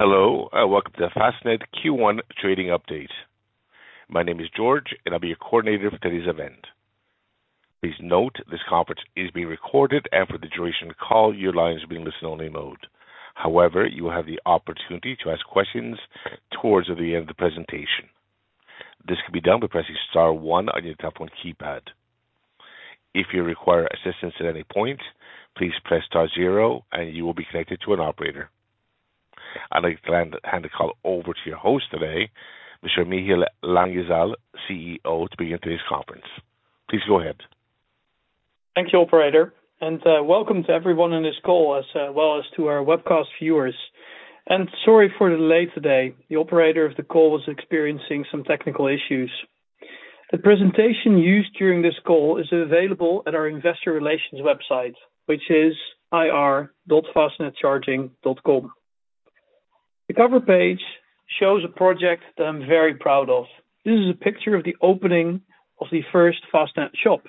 Hello, and welcome to the Fastned Q1 trading update. My name is George, and I'll be your coordinator for today's event. Please note, this conference is being recorded, and for the duration of the call, your line is in listen-only mode. However, you will have the opportunity to ask questions towards the end of the presentation. This can be done by pressing star one on your telephone keypad. If you require assistance at any point, please press star zero, and you will be connected to an operator. I'd like to hand the call over to your host today, Mr. Michiel Langezaal, CEO, to begin today's conference. Please go ahead. Thank you, operator, and welcome to everyone on this call, as well as to our webcast viewers. Sorry for the delay today. The operator of the call was experiencing some technical issues. The presentation used during this call is available at our investor relations website, which is ir.fastnedcharging.com. The cover page shows a project that I'm very proud of. This is a picture of the opening of the first Fastned shop,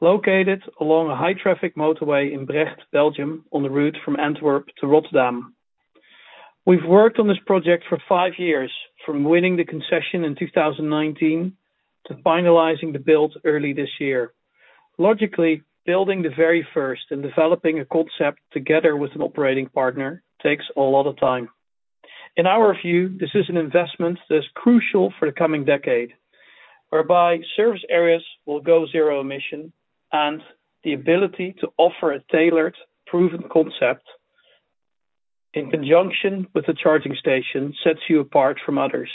located along a high-traffic motorway in Brecht, Belgium, on the route from Antwerp to Rotterdam. We've worked on this project for five years, from winning the concession in 2019 to finalizing the build early this year. Logically, building the very first and developing a concept together with an operating partner takes a lot of time. In our view, this is an investment that's crucial for the coming decade, whereby service areas will go zero emission and the ability to offer a tailored, proven concept in conjunction with the charging station sets you apart from others.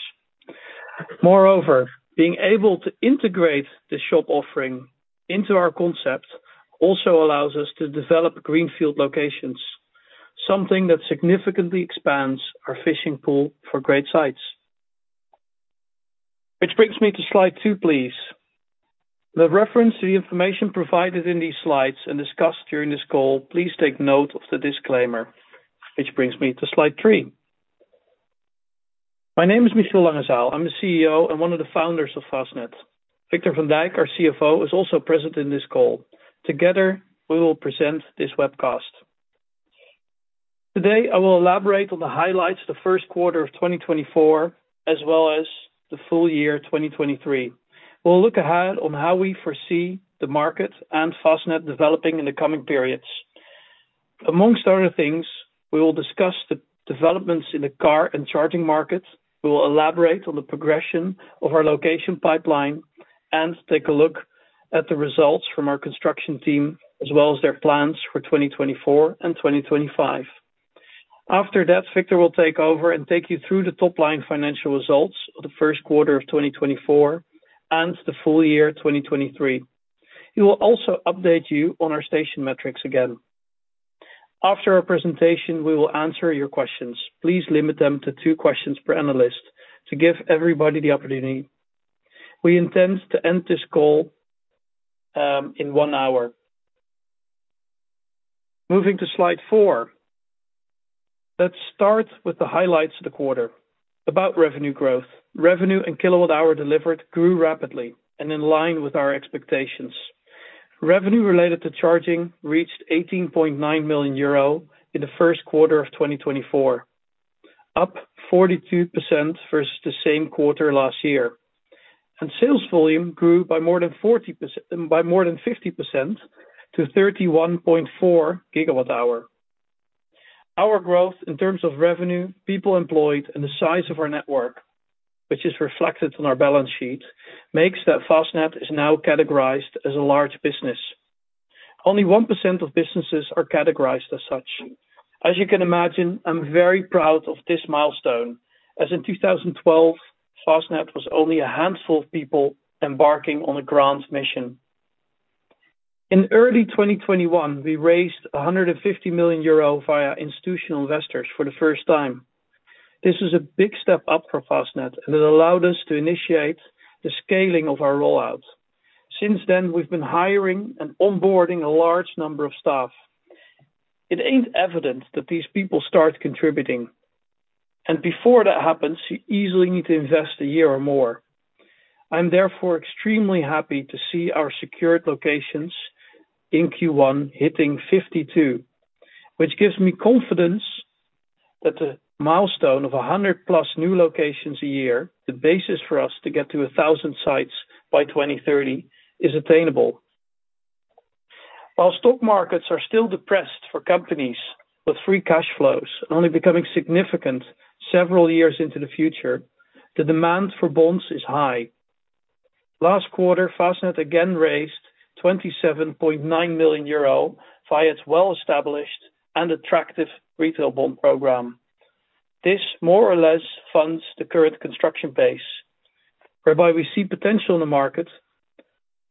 Moreover, being able to integrate the shop offering into our concept also allows us to develop greenfield locations, something that significantly expands our fishing pool for great sites. Which brings me to slide two, please. The reference to the information provided in these slides and discussed during this call, please take note of the disclaimer, which brings me to slide three. My name is Michiel Langezaal. I'm the CEO and one of the founders of Fastned. Victor Van Dijk, our CFO, is also present in this call. Together, we will present this webcast. Today, I will elaborate on the highlights of the first quarter of 2024, as well as the full year 2023. We'll look ahead on how we foresee the market and Fastned developing in the coming periods. Among other things, we will discuss the developments in the car and charging market. We will elaborate on the progression of our location pipeline and take a look at the results from our construction team, as well as their plans for 2024 and 2025. After that, Victor will take over and take you through the top-line financial results of the first quarter of 2024 and the full year 2023. He will also update you on our station metrics again. After our presentation, we will answer your questions. Please limit them to two questions per analyst to give everybody the opportunity. We intend to end this call in one hour. Moving to slide four, let's start with the highlights of the quarter. About revenue growth. Revenue and kilowatt hour delivered grew rapidly and in line with our expectations. Revenue related to charging reached 18.9 million euro in the first quarter of 2024, up 42% versus the same quarter last year. And sales volume grew by more than 40%—by more than 50% to 31.4 GWh. Our growth in terms of revenue, people employed, and the size of our network, which is reflected on our balance sheet, makes that Fastned is now categorized as a large business. Only 1% of businesses are categorized as such. As you can imagine, I'm very proud of this milestone, as in 2012, Fastned was only a handful of people embarking on a grand mission. In early 2021, we raised 150 million euro via institutional investors for the first time. This was a big step up for Fastned, and it allowed us to initiate the scaling of our rollout. Since then, we've been hiring and onboarding a large number of staff. It ain't evident that these people start contributing, and before that happens, you easily need to invest a year or more. I'm therefore extremely happy to see our secured locations in Q1 hitting 52, which gives me confidence that the milestone of 100+ new locations a year, the basis for us to get to 1,000 sites by 2030, is attainable. While stock markets are still depressed for companies with free cash flows only becoming significant several years into the future, the demand for bonds is high. Last quarter, Fastned again raised 27.9 million euro via its well-established and attractive retail bond program. This more or less funds the current construction base, whereby we see potential in the market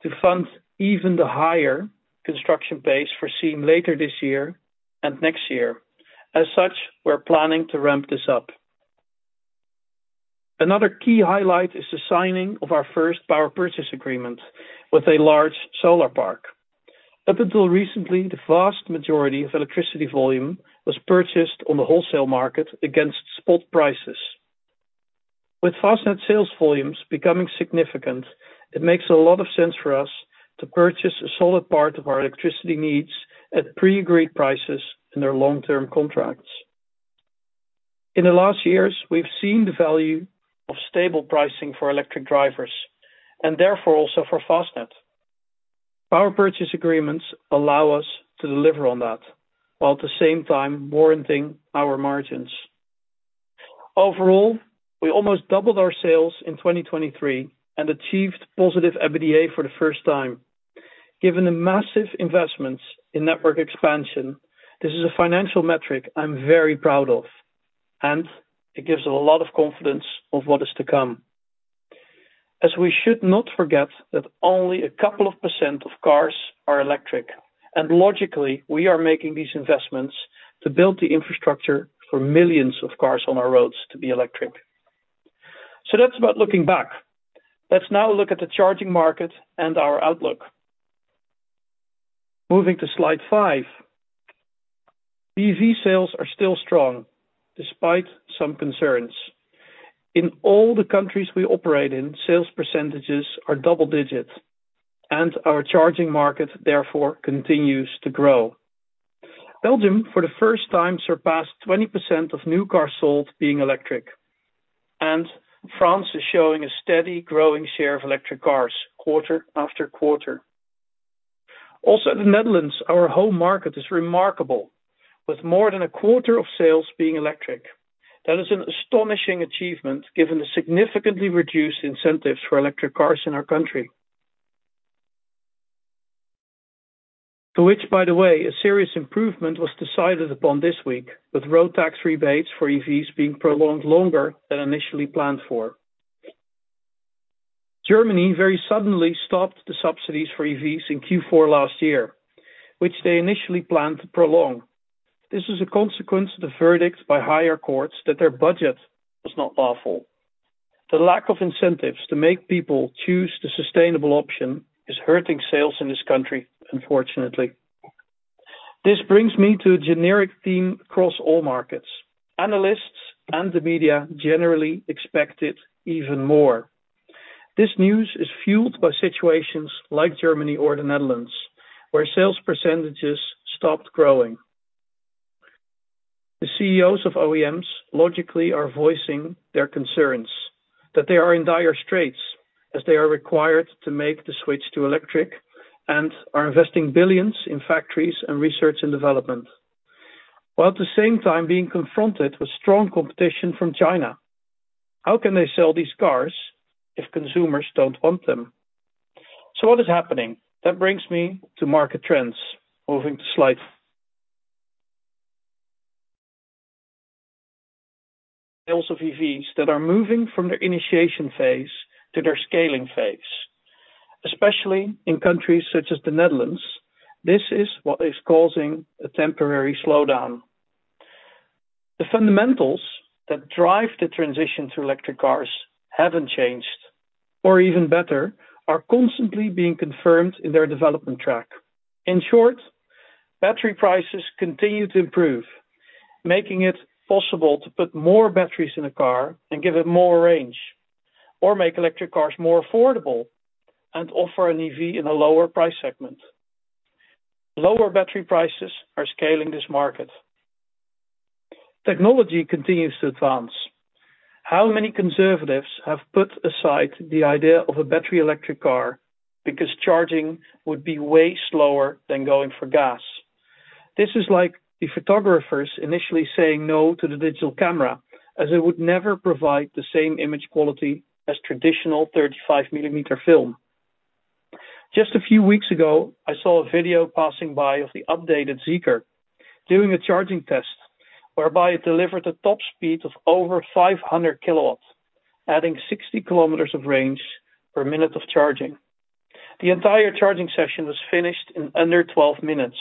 to fund even the higher construction base foreseen later this year and next year. As such, we're planning to ramp this up. Another key highlight is the signing of our first power purchase agreement with a large solar park. Up until recently, the vast majority of electricity volume was purchased on the wholesale market against spot prices. With Fastned sales volumes becoming significant, it makes a lot of sense for us to purchase a solid part of our electricity needs at pre-agreed prices in our long-term contracts. In the last years, we've seen the value of stable pricing for electric drivers, and therefore also for Fastned. power purchase agreements allow us to deliver on that, while at the same time warranting our margins. Overall, we almost doubled our sales in 2023 and achieved positive EBITDA for the first time. Given the massive investments in network expansion, this is a financial metric I'm very proud of, and it gives a lot of confidence of what is to come. As we should not forget that only a couple of % of cars are electric, and logically, we are making these investments to build the infrastructure for millions of cars on our roads to be electric. So that's about looking back. Let's now look at the charging market and our outlook. Moving to slide five. EV sales are still strong, despite some concerns. In all the countries we operate in, sales percentages are double digits, and our charging market therefore continues to grow. Belgium, for the first time, surpassed 20% of new cars sold being electric, and France is showing a steady growing share of electric cars quarter after quarter. Also, in the Netherlands, our home market is remarkable, with more than 25% of sales being electric. That is an astonishing achievement, given the significantly reduced incentives for electric cars in our country. To which, by the way, a serious improvement was decided upon this week, with road tax rebates for EVs being prolonged longer than initially planned for. Germany very suddenly stopped the subsidies for EVs in Q4 last year, which they initially planned to prolong. This was a consequence of the verdict by higher courts that their budget was not lawful. The lack of incentives to make people choose the sustainable option is hurting sales in this country, unfortunately. This brings me to a generic theme across all markets. Analysts and the media generally expect it even more. This news is fueled by situations like Germany or the Netherlands, where sales percentages stopped growing. The CEOs of OEMs logically are voicing their concerns that they are in dire straits as they are required to make the switch to electric and are investing billions in factories and research and development, while at the same time being confronted with strong competition from China. How can they sell these cars if consumers don't want them? So what is happening? That brings me to market trends. Moving to slide: sales of EVs that are moving from their initiation phase to their scaling phase, especially in countries such as the Netherlands. This is what is causing a temporary slowdown. The fundamentals that drive the transition to electric cars haven't changed, or even better, are constantly being confirmed in their development track. In short, battery prices continue to improve, making it possible to put more batteries in a car and give it more range, or make electric cars more affordable and offer an EV in a lower price segment. Lower battery prices are scaling this market. Technology continues to advance. How many consumers have put aside the idea of a battery electric car because charging would be way slower than going for gas? This is like the photographers initially saying no to the digital camera, as it would never provide the same image quality as traditional 35-millimeter film. Just a few weeks ago, I saw a video passing by of the updated Zeekr doing a charging test, whereby it delivered a top speed of over 500 kW, adding 60 km of range per minute of charging. The entire charging session was finished in under 12 minutes.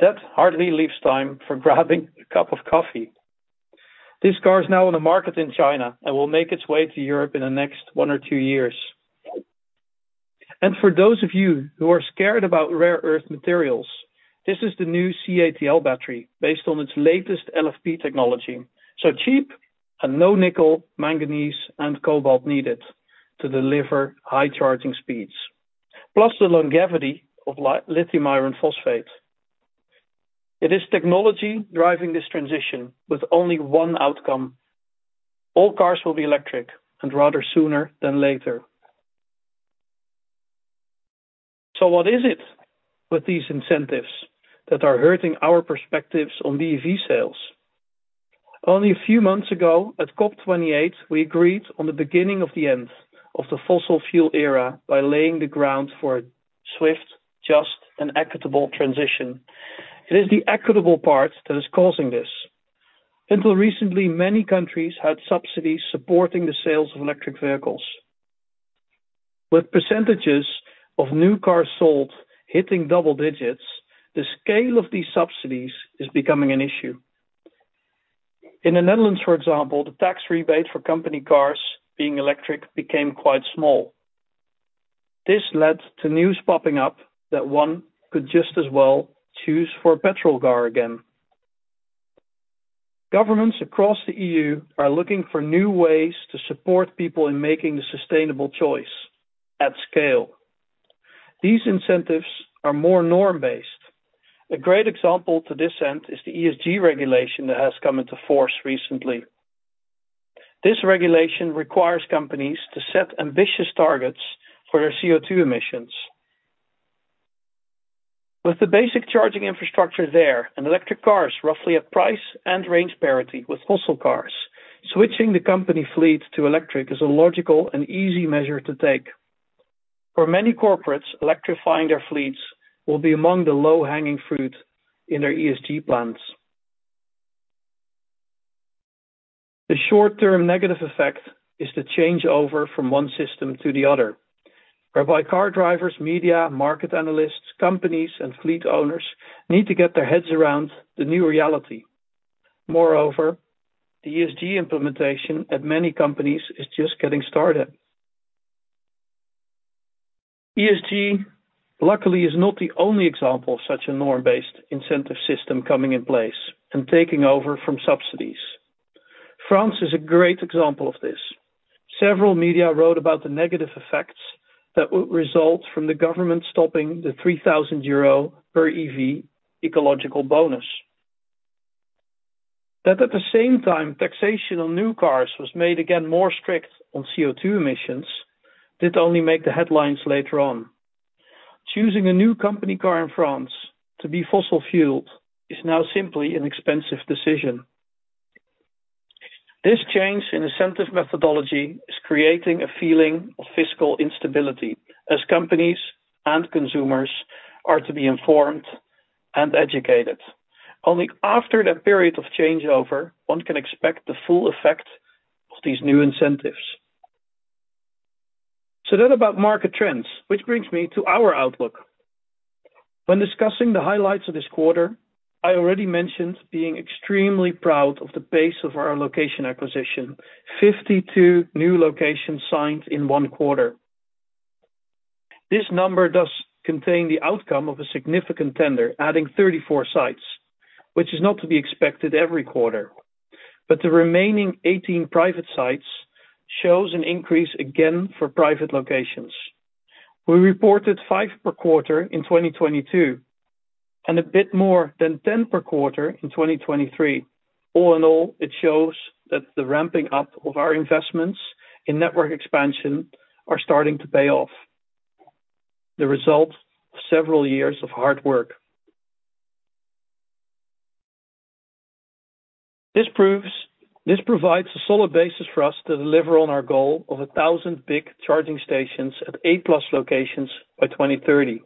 That hardly leaves time for grabbing a cup of coffee. This car is now on the market in China and will make its way to Europe in the next one or two years. And for those of you who are scared about rare earth materials, this is the new CATL battery, based on its latest LFP technology. So cheap and no nickel, manganese, and cobalt needed to deliver high charging speeds, plus the longevity of lithium iron phosphate. It is technology driving this transition with only one outcome. All cars will be electric, and rather sooner than later. So what is it with these incentives that are hurting our perspectives on BEV sales? Only a few months ago, at COP 28, we agreed on the beginning of the end of the fossil fuel era by laying the ground for a swift, just, and equitable transition. It is the equitable part that is causing this. Until recently, many countries had subsidies supporting the sales of electric vehicles. With percentages of new cars sold hitting double digits, the scale of these subsidies is becoming an issue. In the Netherlands, for example, the tax rebate for company cars being electric became quite small. This led to news popping up that one could just as well choose for a petrol car again. Governments across the EU are looking for new ways to support people in making the sustainable choice at scale. These incentives are more norm-based. A great example to this end is the ESG regulation that has come into force recently. This regulation requires companies to set ambitious targets for their CO2 emissions. With the basic charging infrastructure there, and electric cars roughly at price and range parity with fossil cars, switching the company fleet to electric is a logical and easy measure to take. For many corporates, electrifying their fleets will be among the low-hanging fruit in their ESG plans. The short-term negative effect is the changeover from one system to the other, whereby car drivers, media, market analysts, companies, and fleet owners need to get their heads around the new reality. Moreover, the ESG implementation at many companies is just getting started. ESG, luckily, is not the only example of such a norm-based incentive system coming in place and taking over from subsidies. France is a great example of this. Several media wrote about the negative effects that would result from the government stopping the 3,000 euro per EV ecological bonus. That, at the same time, taxation on new cars was made again more strict on CO2 emissions, did only make the headlines later on. Choosing a new company car in France to be fossil-fueled is now simply an expensive decision. This change in incentive methodology is creating a feeling of fiscal instability as companies and consumers are to be informed and educated. Only after that period of changeover, one can expect the full effect of these new incentives. So, that's about market trends, which brings me to our outlook. When discussing the highlights of this quarter, I already mentioned being extremely proud of the pace of our location acquisition, 52 new locations signed in one quarter. This number does contain the outcome of a significant tender, adding 34 sites, which is not to be expected every quarter, but the remaining 18 private sites shows an increase again for private locations. We reported five per quarter in 2022, and a bit more than 10 per quarter in 2023. All in all, it shows that the ramping up of our investments in network expansion are starting to pay off. The result of several years of hard work. This provides a solid basis for us to deliver on our goal of 1,000 big charging stations at eight plus locations by 2030.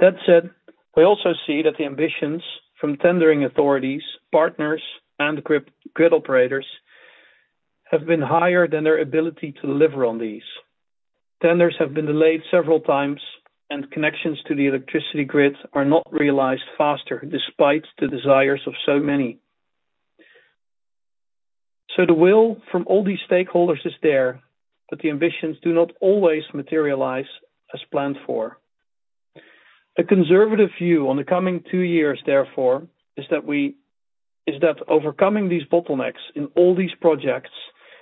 That said, we also see that the ambitions from tendering authorities, partners, and grid operators have been higher than their ability to deliver on these. Tenders have been delayed several times, and connections to the electricity grid are not realized faster, despite the desires of so many. So the will from all these stakeholders is there, but the ambitions do not always materialize as planned for. A conservative view on the coming two years, therefore, is that overcoming these bottlenecks in all these projects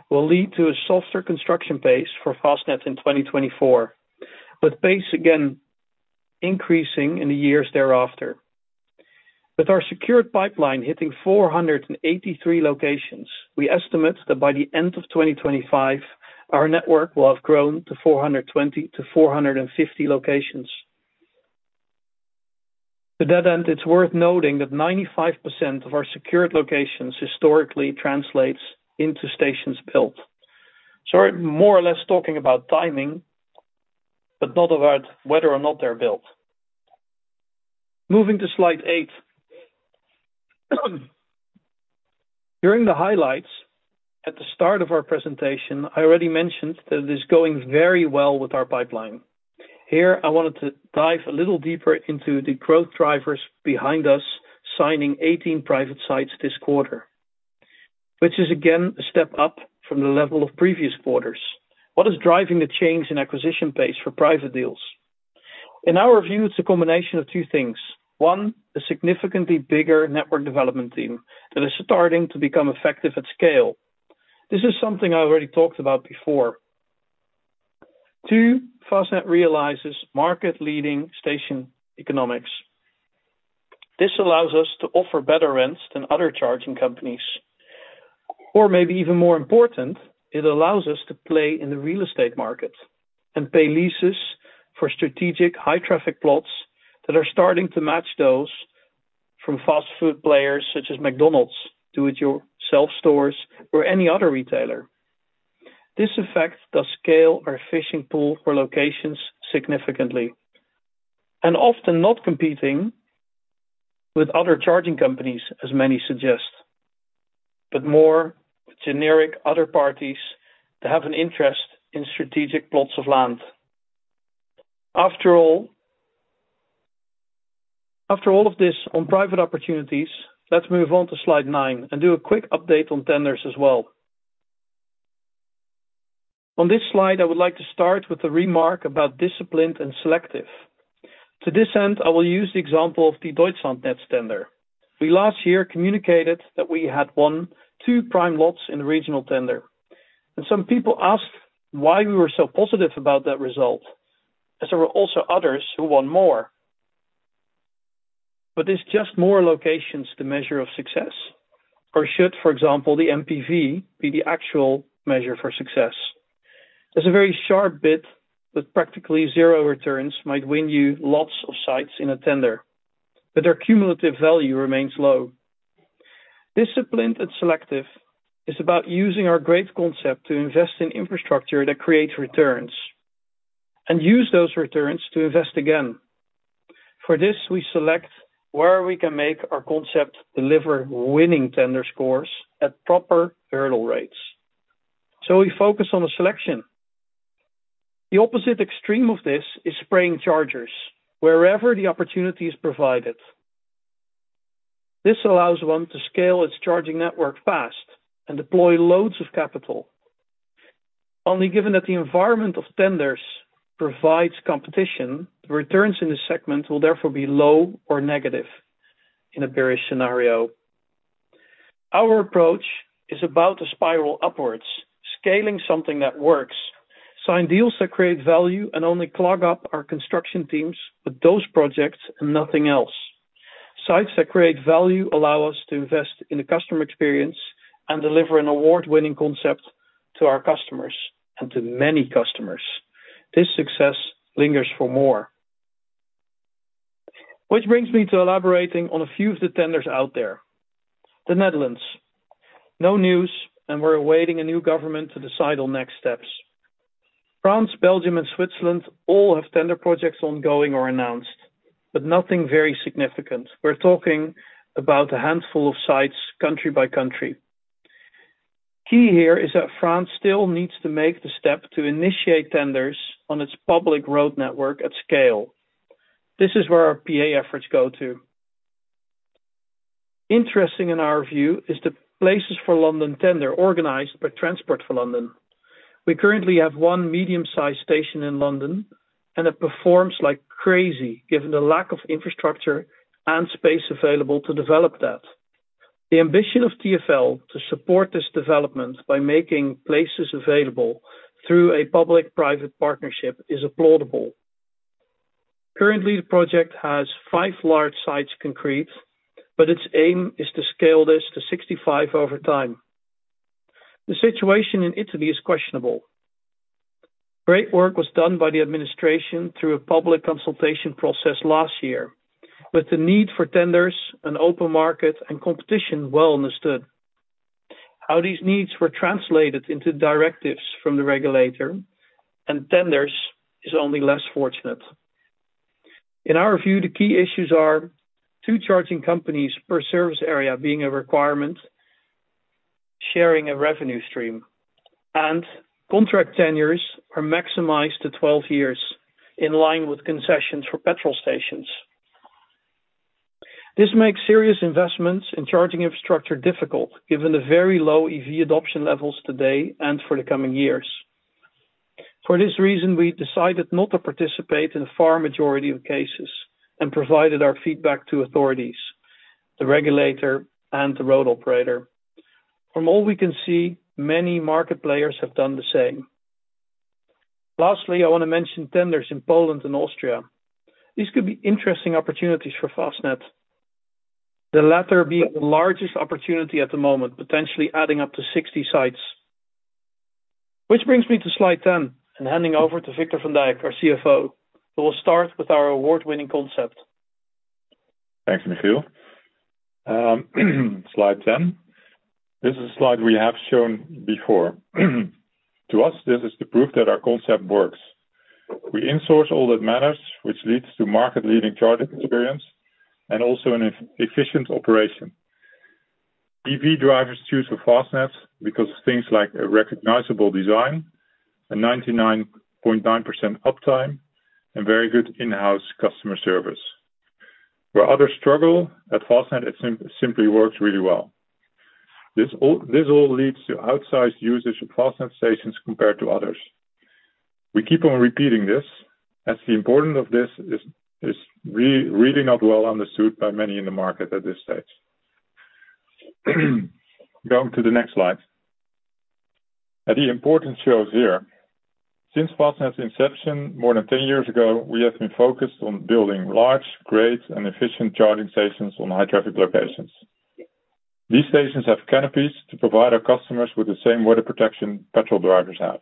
will lead to a softer construction pace for Fastned in 2024, but pace again, increasing in the years thereafter. With our secured pipeline hitting 483 locations, we estimate that by the end of 2025, our network will have grown to 420-450 locations. To that end, it's worth noting that 95% of our secured locations historically translates into stations built. So we're more or less talking about timing, but not about whether or not they're built. Moving to slide eight. During the highlights at the start of our presentation, I already mentioned that it is going very well with our pipeline. Here, I wanted to dive a little deeper into the growth drivers behind us, signing 18 private sites this quarter, which is again, a step up from the level of previous quarters. What is driving the change in acquisition pace for private deals? In our view, it's a combination of two things. One, a significantly bigger network development team that is starting to become effective at scale. This is something I already talked about before. Two, Fastned realizes market-leading station economics. This allows us to offer better rents than other charging companies, or maybe even more important, it allows us to play in the real estate market and pay leases for strategic, high-traffic plots that are starting to match those from fast food players such as McDonald's, do-it-yourself stores, or any other retailer. This effect does scale our fishing pool for locations significantly, and often not competing with other charging companies, as many suggest, but more generic other parties that have an interest in strategic plots of land. After all of this on private opportunities, let's move on to slide nine and do a quick update on tenders as well. On this slide, I would like to start with a remark about disciplined and selective. To this end, I will use the example of the Deutschlandnetz tender. We last year communicated that we had won two prime lots in the regional tender, and some people asked why we were so positive about that result, as there were also others who won more. But is just more locations the measure of success, or should, for example, the NPV be the actual measure for success? There's a very sharp bid that practically zero returns might win you lots of sites in a tender, but their cumulative value remains low. Disciplined and selective is about using our great concept to invest in infrastructure that creates returns, and use those returns to invest again. For this, we select where we can make our concept deliver winning tender scores at proper hurdle rates. So we focus on the selection. The opposite extreme of this is spraying chargers wherever the opportunity is provided. This allows one to scale its charging network fast and deploy loads of capital. Only given that the environment of tenders provides competition, the returns in this segment will therefore be low or negative in a bearish scenario. Our approach is about to spiral upwards, scaling something that works, sign deals that create value and only clog up our construction teams with those projects and nothing else. Sites that create value allow us to invest in the customer experience and deliver an award-winning concept to our customers and to many customers. This success lingers for more. Which brings me to elaborating on a few of the tenders out there. The Netherlands, no news, and we're awaiting a new government to decide on next steps. France, Belgium, and Switzerland all have tender projects ongoing or announced, but nothing very significant. We're talking about a handful of sites, country by country. Key here is that France still needs to make the step to initiate tenders on its public road network at scale. This is where our PA efforts go to. Interesting, in our view, is the Places for London tender, organized by Transport for London. We currently have one medium-sized station in London, and it performs like crazy, given the lack of infrastructure and space available to develop that. The ambition of TfL to support this development by making places available through a public-private partnership is applaudable. Currently, the project has five large sites concrete, but its aim is to scale this to 65 over time. The situation in Italy is questionable. Great work was done by the administration through a public consultation process last year, with the need for tenders and open market and competition well understood. How these needs were translated into directives from the regulator and tenders is only less fortunate. In our view, the key issues are: two charging companies per service area being a requirement, sharing a revenue stream, and contract tenures are maximized to 12 years, in line with concessions for petrol stations. This makes serious investments in charging infrastructure difficult, given the very low EV adoption levels today and for the coming years. For this reason, we decided not to participate in the far majority of cases and provided our feedback to authorities, the regulator and the road operator. From all we can see, many market players have done the same. Lastly, I want to mention tenders in Poland and Austria. These could be interesting opportunities for Fastned, the latter being the largest opportunity at the moment, potentially adding up to 60 sites. Which brings me to slide 10 and handing over to Victor Van Dijk, our CFO, who will start with our award-winning concept. Thanks, Michiel. Slide 10. This is a slide we have shown before. To us, this is the proof that our concept works. We insource all that matters, which leads to market-leading charging experience and also an efficient operation. EV drivers choose Fastned because of things like a recognizable design, a 99.9% uptime, and very good in-house customer service. Where others struggle, at Fastned, it simply works really well. This all, this all leads to outsized usage of Fastned stations compared to others. We keep on repeating this, as the importance of this is really not well understood by many in the market at this stage. Going to the next slide. The importance shows here. Since Fastned's inception, more than 10 years ago, we have been focused on building large, great, and efficient charging stations on high-traffic locations. These stations have canopies to provide our customers with the same weather protection petrol drivers have.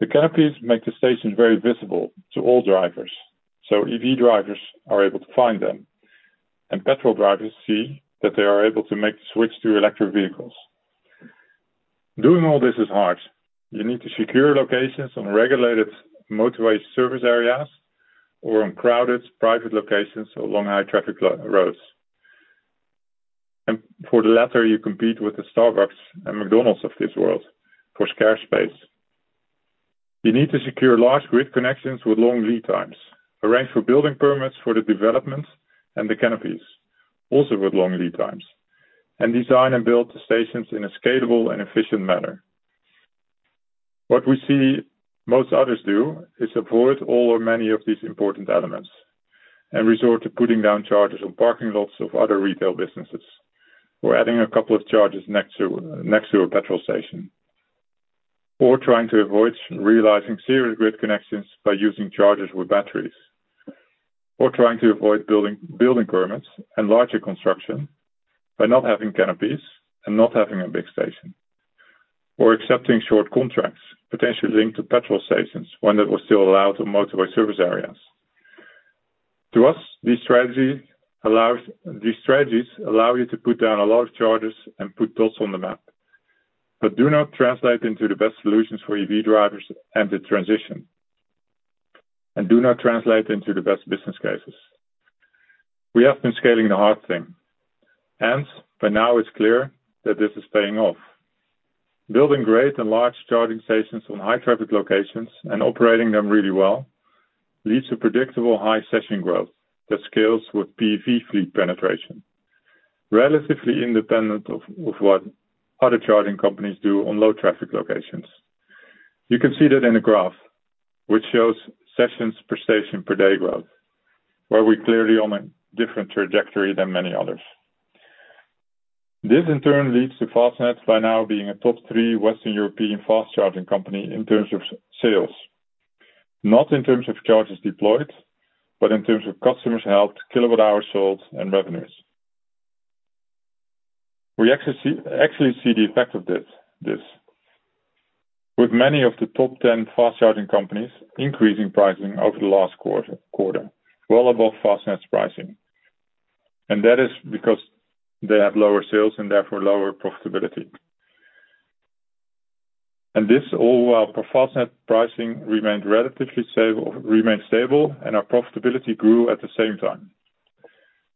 The canopies make the station very visible to all drivers, so EV drivers are able to find them, and petrol drivers see that they are able to make the switch to electric vehicles. Doing all this is hard. You need to secure locations on regulated motorway service areas or on crowded, private locations along high-traffic local roads. For the latter, you compete with the Starbucks and McDonald's of this world for scarce space. You need to secure large grid connections with long lead times, arrange for building permits for the developments and the canopies, also with long lead times, and design and build the stations in a scalable and efficient manner. What we see most others do is avoid all or many of these important elements and resort to putting down chargers on parking lots of other retail businesses, or adding a couple of chargers next to a petrol station, or trying to avoid realizing serious grid connections by using chargers with batteries, or trying to avoid building permits and larger construction by not having canopies and not having a big station, or accepting short contracts, potentially linked to petrol stations, when that was still allowed to motorway service areas. To us, these strategies allow you to put down a lot of chargers and put dots on the map, but do not translate into the best solutions for EV drivers and the transition, and do not translate into the best business cases. We have been scaling the hard thing, and by now it's clear that this is paying off. Building great and large charging stations on high traffic locations and operating them really well leads to predictable high session growth that scales with BEV fleet penetration, relatively independent of what other charging companies do on low traffic locations. You can see that in the graph, which shows sessions per station per day growth, where we're clearly on a different trajectory than many others. This, in turn, leads to Fastned by now being a top three Western European fast charging company in terms of sales. Not in terms of chargers deployed, but in terms of customers helped, kilowatt-hour sales, and revenues. We actually see the effect of this. With many of the top ten fast charging companies increasing pricing over the last quarter well above Fastned's pricing. That is because they have lower sales and therefore lower profitability. This all while Fastned pricing remained relatively stable, remained stable, and our profitability grew at the same time.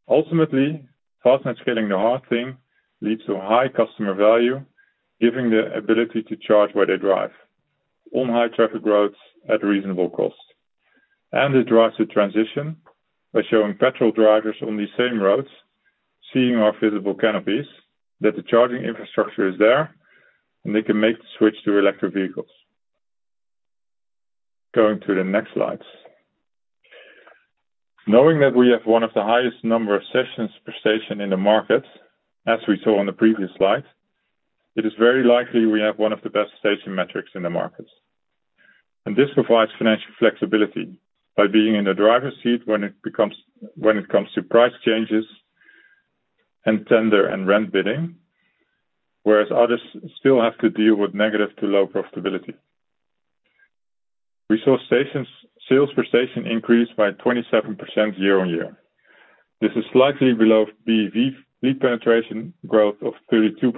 Ultimately, Fastned scaling the hard thing leads to high customer value, giving the ability to charge where they drive, on high traffic roads at reasonable cost. It drives the transition by showing petrol drivers on these same roads, seeing our visible canopies, that the charging infrastructure is there, and they can make the switch to electric vehicles. Going to the next slides. Knowing that we have one of the highest number of sessions per station in the market, as we saw on the previous slide, it is very likely we have one of the best station metrics in the market. This provides financial flexibility by being in the driver's seat when it becomes, when it comes to price changes and tender and rent bidding, whereas others still have to deal with negative to low profitability. We saw stations, sales per station increase by 27% year-on-year. This is slightly below BEV fleet penetration growth of 32%.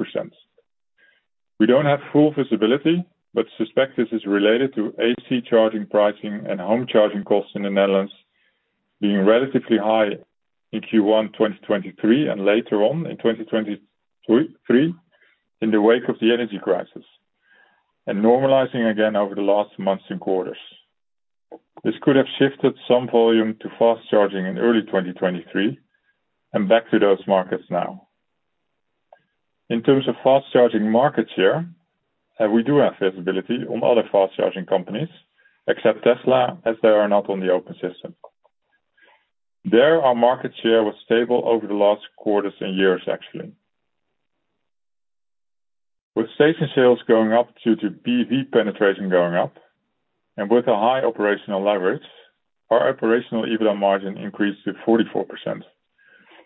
We don't have full visibility, but suspect this is related to AC charging pricing and home charging costs in the Netherlands being relatively high in Q1 2023, and later on in 2023, in the wake of the energy crisis, and normalizing again over the last months and quarters. This could have shifted some volume to fast charging in early 2023 and back to those markets now. In terms of fast charging market share, and we do have visibility on other fast charging companies, except Tesla, as they are not on the open system. There, our market share was stable over the last quarters and years, actually. With station sales going up due to BEV penetration going up, and with a high operational leverage, our operational EBITDA margin increased to 44%,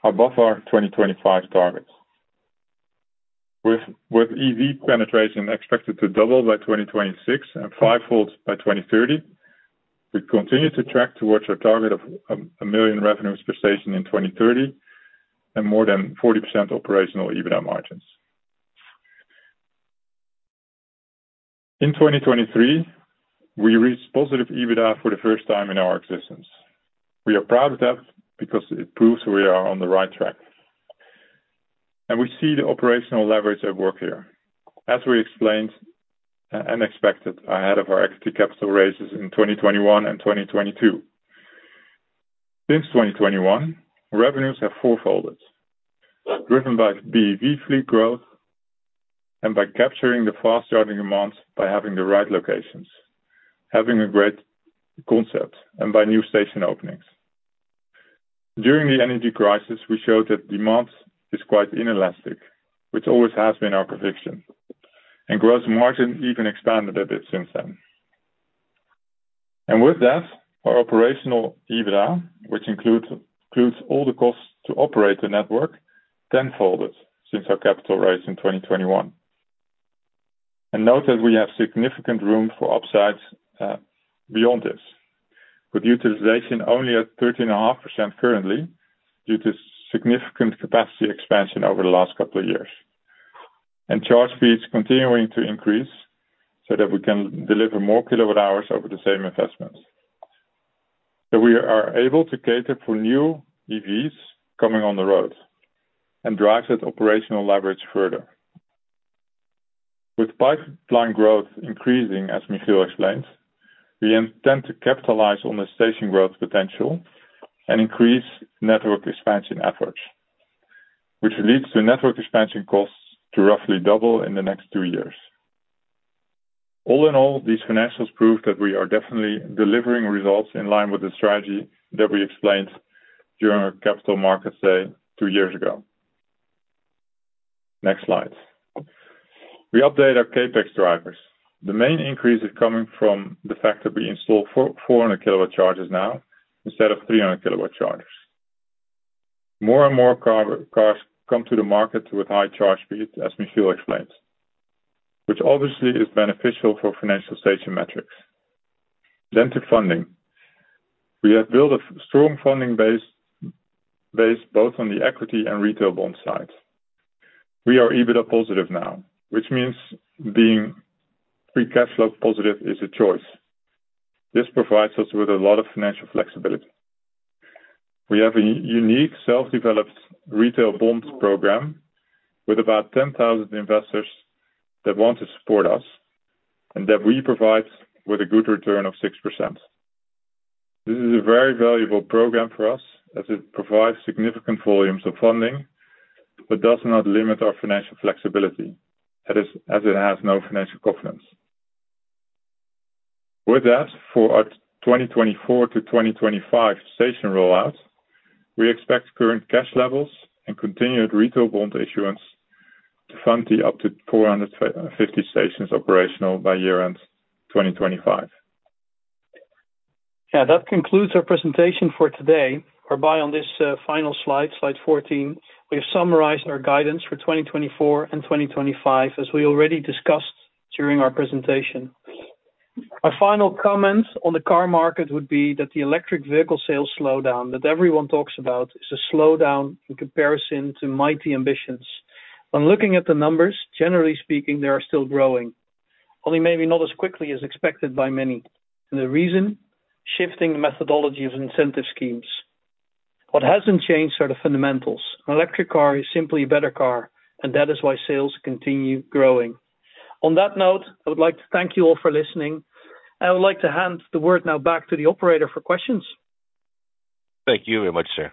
above our 2025 targets. With EV penetration expected to double by 2026 and fivefold by 2030, we continue to track towards our target of 1 million revenues per station in 2030, and more than 40% operational EBITDA margins. In 2023, we reached positive EBITDA for the first time in our existence. We are proud of that because it proves we are on the right track, and we see the operational leverage at work here. As we explained and expected ahead of our equity capital raises in 2021 and 2022. Since 2021, revenues have fourfolded, driven by BEV fleet growth and by capturing the fast-charging amounts by having the right locations, having a great concept, and by new station openings. During the energy crisis, we showed that demand is quite inelastic, which always has been our conviction, and gross margin even expanded a bit since then. With that, our operational EBITDA, which includes all the costs to operate the network, tenfolded since our capital raise in 2021. Note that we have significant room for upsides beyond this, with utilization only at 13.5% currently, due to significant capacity expansion over the last couple of years. And charge fees continuing to increase so that we can deliver more kilowatt hours over the same investments... So we are able to cater for new EVs coming on the road and drive that operational leverage further. With pipeline growth increasing, as Michiel explained, we intend to capitalize on the station growth potential and increase network expansion efforts, which leads to network expansion costs to roughly double in the next two years. All in all, these financials prove that we are definitely delivering results in line with the strategy that we explained during our capital markets day two years ago. Next slide. We update our CapEx drivers. The main increase is coming from the fact that we install four 400 kW chargers now instead of 300 kW chargers. More and more cars come to the market with high charge speeds, as Michiel explained, which obviously is beneficial for financial station metrics. Then to funding. We have built a strong funding base, based both on the equity and retail bond sides. We are EBITDA positive now, which means being free cash flow positive is a choice. This provides us with a lot of financial flexibility. We have a unique, self-developed retail bonds program with about 10,000 investors that want to support us and that we provide with a good return of 6%. This is a very valuable program for us as it provides significant volumes of funding, but does not limit our financial flexibility, that is, as it has no financial covenants. With that, for our 2024-2025 station rollout, we expect current cash levels and continued retail bond issuance to fund the up to 450 stations operational by year-end 2025. Yeah, that concludes our presentation for today, whereby on this final slide, slide 14, we have summarized our guidance for 2024 and 2025, as we already discussed during our presentation. Our final comments on the car market would be that the electric vehicle sales slowdown that everyone talks about is a slowdown in comparison to mighty ambitions. When looking at the numbers, generally speaking, they are still growing, only maybe not as quickly as expected by many. And the reason? Shifting the methodology of incentive schemes. What hasn't changed are the fundamentals. An electric car is simply a better car, and that is why sales continue growing. On that note, I would like to thank you all for listening, and I would like to hand the word now back to the operator for questions. Thank you very much, sir.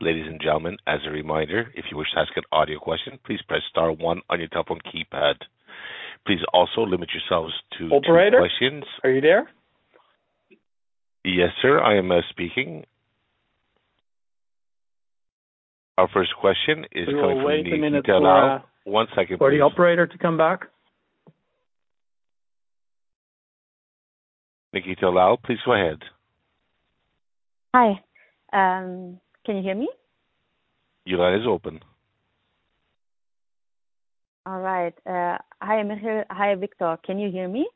Ladies and gentlemen, as a reminder, if you wish to ask an audio question, please press star one on your telephone keypad. Please also limit yourselves to two questions. Operator, are you there? Yes, sir, I am speaking. Our first question is coming from. We will wait a minute for. One second, please. For the operator to come back. Nikita Lal, please go ahead. Hi. Can you hear me? Your line is open. All right. Hi, Michiel. Hi, Victor. Can you hear me?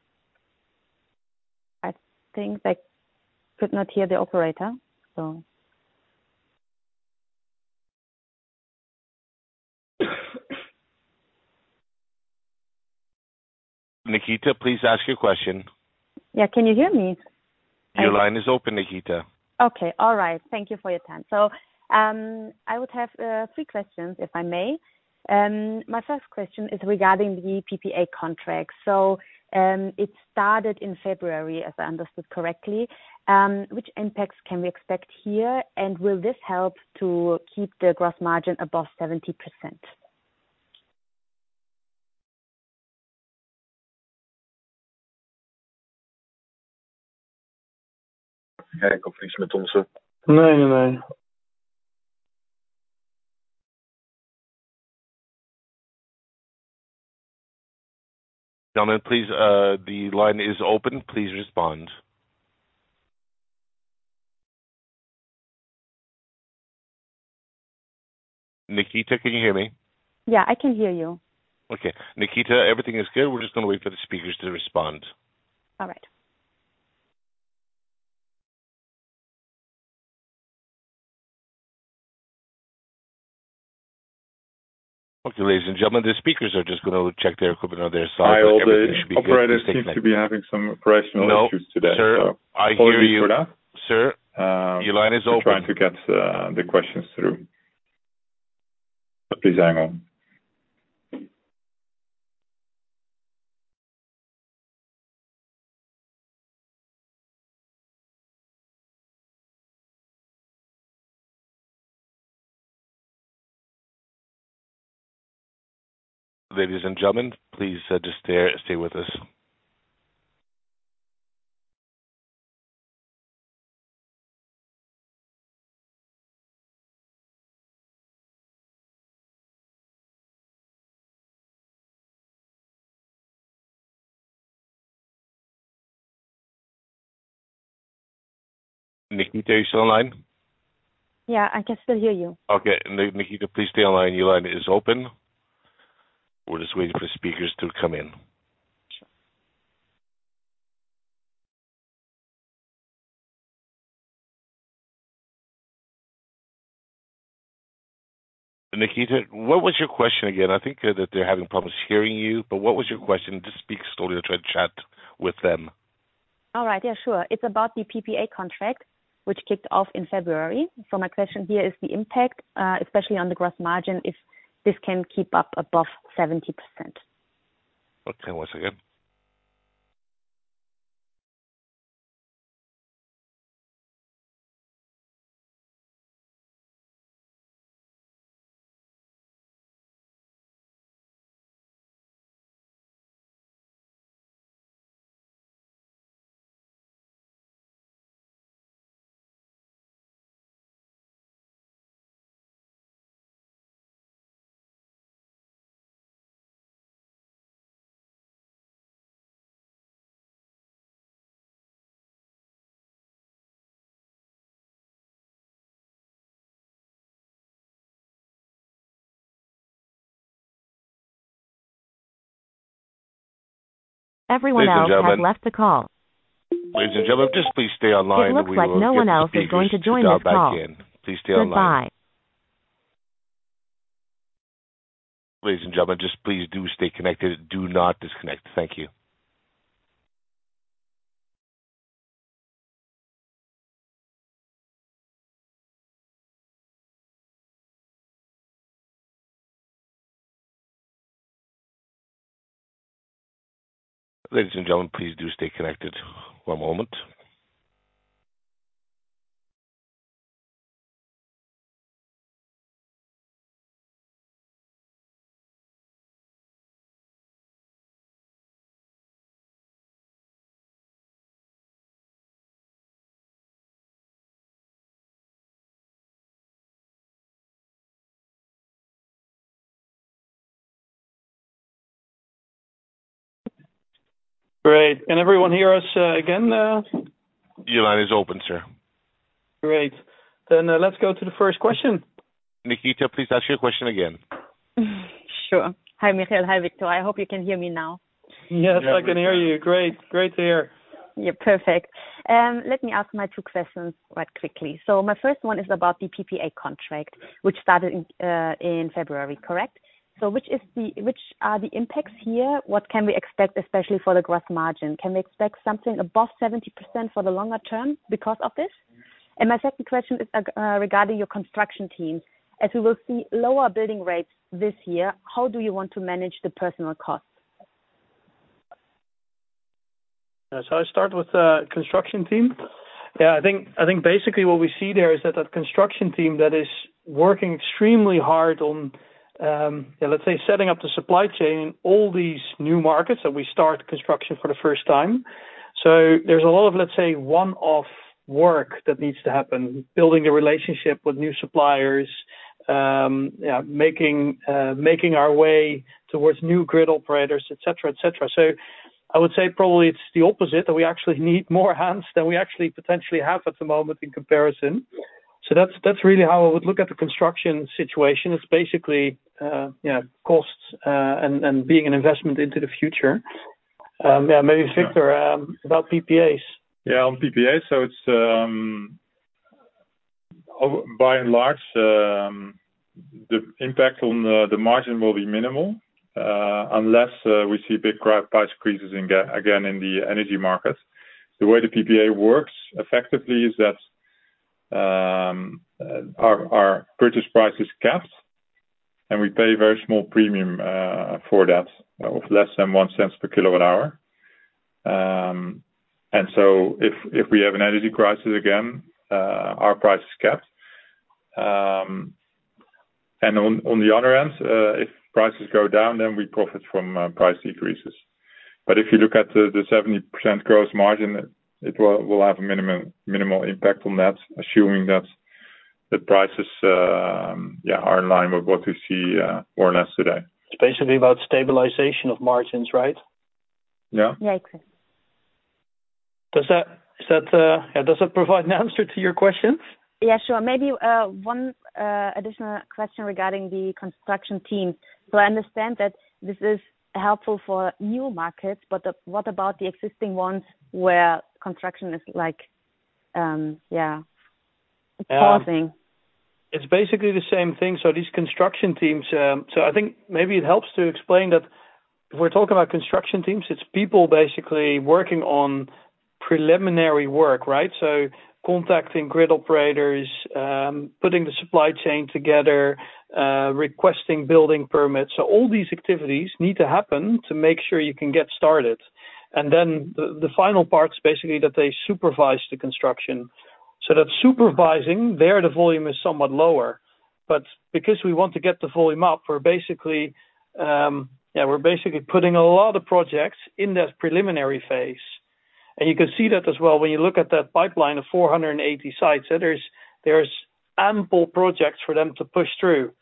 I think I could not hear the operator, so. Nikita, please ask your question. Yeah. Can you hear me? Your line is open, Nikita. Okay. All right. Thank you for your time. So, I would have three questions, if I may. My first question is regarding the PPA contract. So, it started in February, if I understood correctly. Which impacts can we expect here, and will this help to keep the gross margin above 70%? I can't complete my answer. No, no, no. Gentlemen, please, the line is open. Please respond. Nikita, can you hear me? Yeah, I can hear you. Okay. Nikita, everything is good. We're just gonna wait for the speakers to respond. All right. Okay, ladies and gentlemen, the speakers are just gonna check their equipment on their side. Hi, the operators seem to be having some operational issues today. No, sir, I hear you. Sir, your line is open. Trying to get the questions through. So please hang on. Ladies and gentlemen, please, just stay with us. Nikita, are you still on the line? Yeah, I can still hear you. Okay. Nikita, please stay on line. Your line is open. We're just waiting for the speakers to come in. Nikita, what was your question again? I think that they're having problems hearing you, but what was your question? Just speak slowly and try to chat with them. All right. Yeah, sure. It's about the PPA contract, which kicked off in February. So my question here is the impact, especially on the gross margin, if this can keep up above 70%. Okay, once again. Everyone else has left the call. Ladies and gentlemen, just please stay online. It looks like no one else is going to join this call. Please stay online. Goodbye. Ladies and gentlemen, just please do stay connected. Do not disconnect. Thank you. Ladies and gentlemen, please do stay connected one moment. Great. Can everyone hear us again? Your line is open, sir. Great. Let's go to the first question. Nikita, please ask your question again. Sure. Hi, Michiel. Hi, Victor. I hope you can hear me now. Yes, I can hear you. Great. Great to hear. Yeah, perfect. Let me ask my two questions quite quickly. So my first one is about the PPA contract, which started in February, correct? So which are the impacts here? What can we expect, especially for the gross margin? Can we expect something above 70% for the longer term because of this? And my second question is regarding your construction team. As we will see lower building rates this year, how do you want to manage the personal costs? So I start with the construction team. Yeah, I think, I think basically what we see there is that a construction team that is working extremely hard on, yeah, let's say, setting up the supply chain, all these new markets that we start construction for the first time. So there's a lot of, let's say, one-off work that needs to happen, building the relationship with new suppliers, yeah, making, making our way towards new grid operators, et cetera, et cetera. So I would say probably it's the opposite, that we actually need more hands than we actually potentially have at the moment in comparison. So that's, that's really how I would look at the construction situation. It's basically, you know, costs, and, and being an investment into the future. Yeah, maybe Victor, about PPAs. Yeah, on PPAs, so it's by and large the impact on the margin will be minimal, unless we see big price increases again in the energy market. The way the PPA works effectively is that our purchase price is capped, and we pay a very small premium for that of less than 0.01 per kWh. And so if we have an energy crisis again, our price is capped. And on the other end, if prices go down, then we profit from price increases. But if you look at the 70% gross margin, it will have a minimal impact on that, assuming that the prices yeah are in line with what we see more or less today. It's basically about stabilization of margins, right? Yeah. Yeah, exactly. Does that, yeah, does it provide an answer to your questions? Yeah, sure. Maybe one additional question regarding the construction team. So I understand that this is helpful for new markets, but what about the existing ones where construction is like, yeah, pausing? It's basically the same thing. So these construction teams. So I think maybe it helps to explain that if we're talking about construction teams, it's people basically working on preliminary work, right? So contacting grid operators, putting the supply chain together, requesting building permits. So all these activities need to happen to make sure you can get started. And then the final part is basically that they supervise the construction. So that supervising, the volume is somewhat lower. But because we want to get the volume up, we're basically, we're basically putting a lot of projects in that preliminary phase. And you can see that as well when you look at that pipeline of 480 sites, so there's ample projects for them to push through.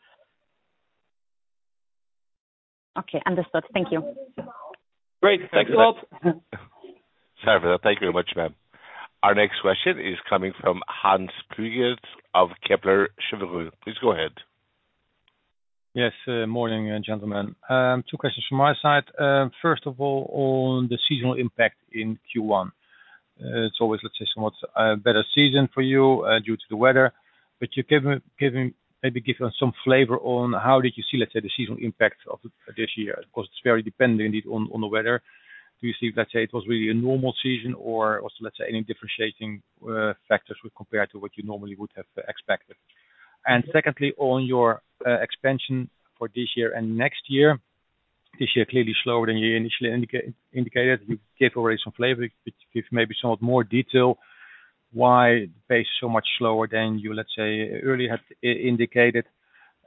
Okay, understood. Thank you. Great. Thanks a lot. Sorry for that. Thank you very much, ma'am. Our next question is coming from Hans Pluijgers of Kepler Cheuvreux. Please go ahead. Yes, morning, gentlemen. Two questions from my side. First of all, on the seasonal impact in Q1, it's always, let's say, somewhat better season for you due to the weather, but maybe give us some flavor on how did you see, let's say, the seasonal impact of this year? Of course, it's very dependent on the weather. Do you see, let's say, it was really a normal season, or was, let's say, any differentiating factors compared with what you normally would have expected? And secondly, on your expansion for this year and next year, this year clearly slower than you initially indicated. You gave already some flavor, but give maybe somewhat more detail why pace so much slower than you, let's say, earlier had indicated,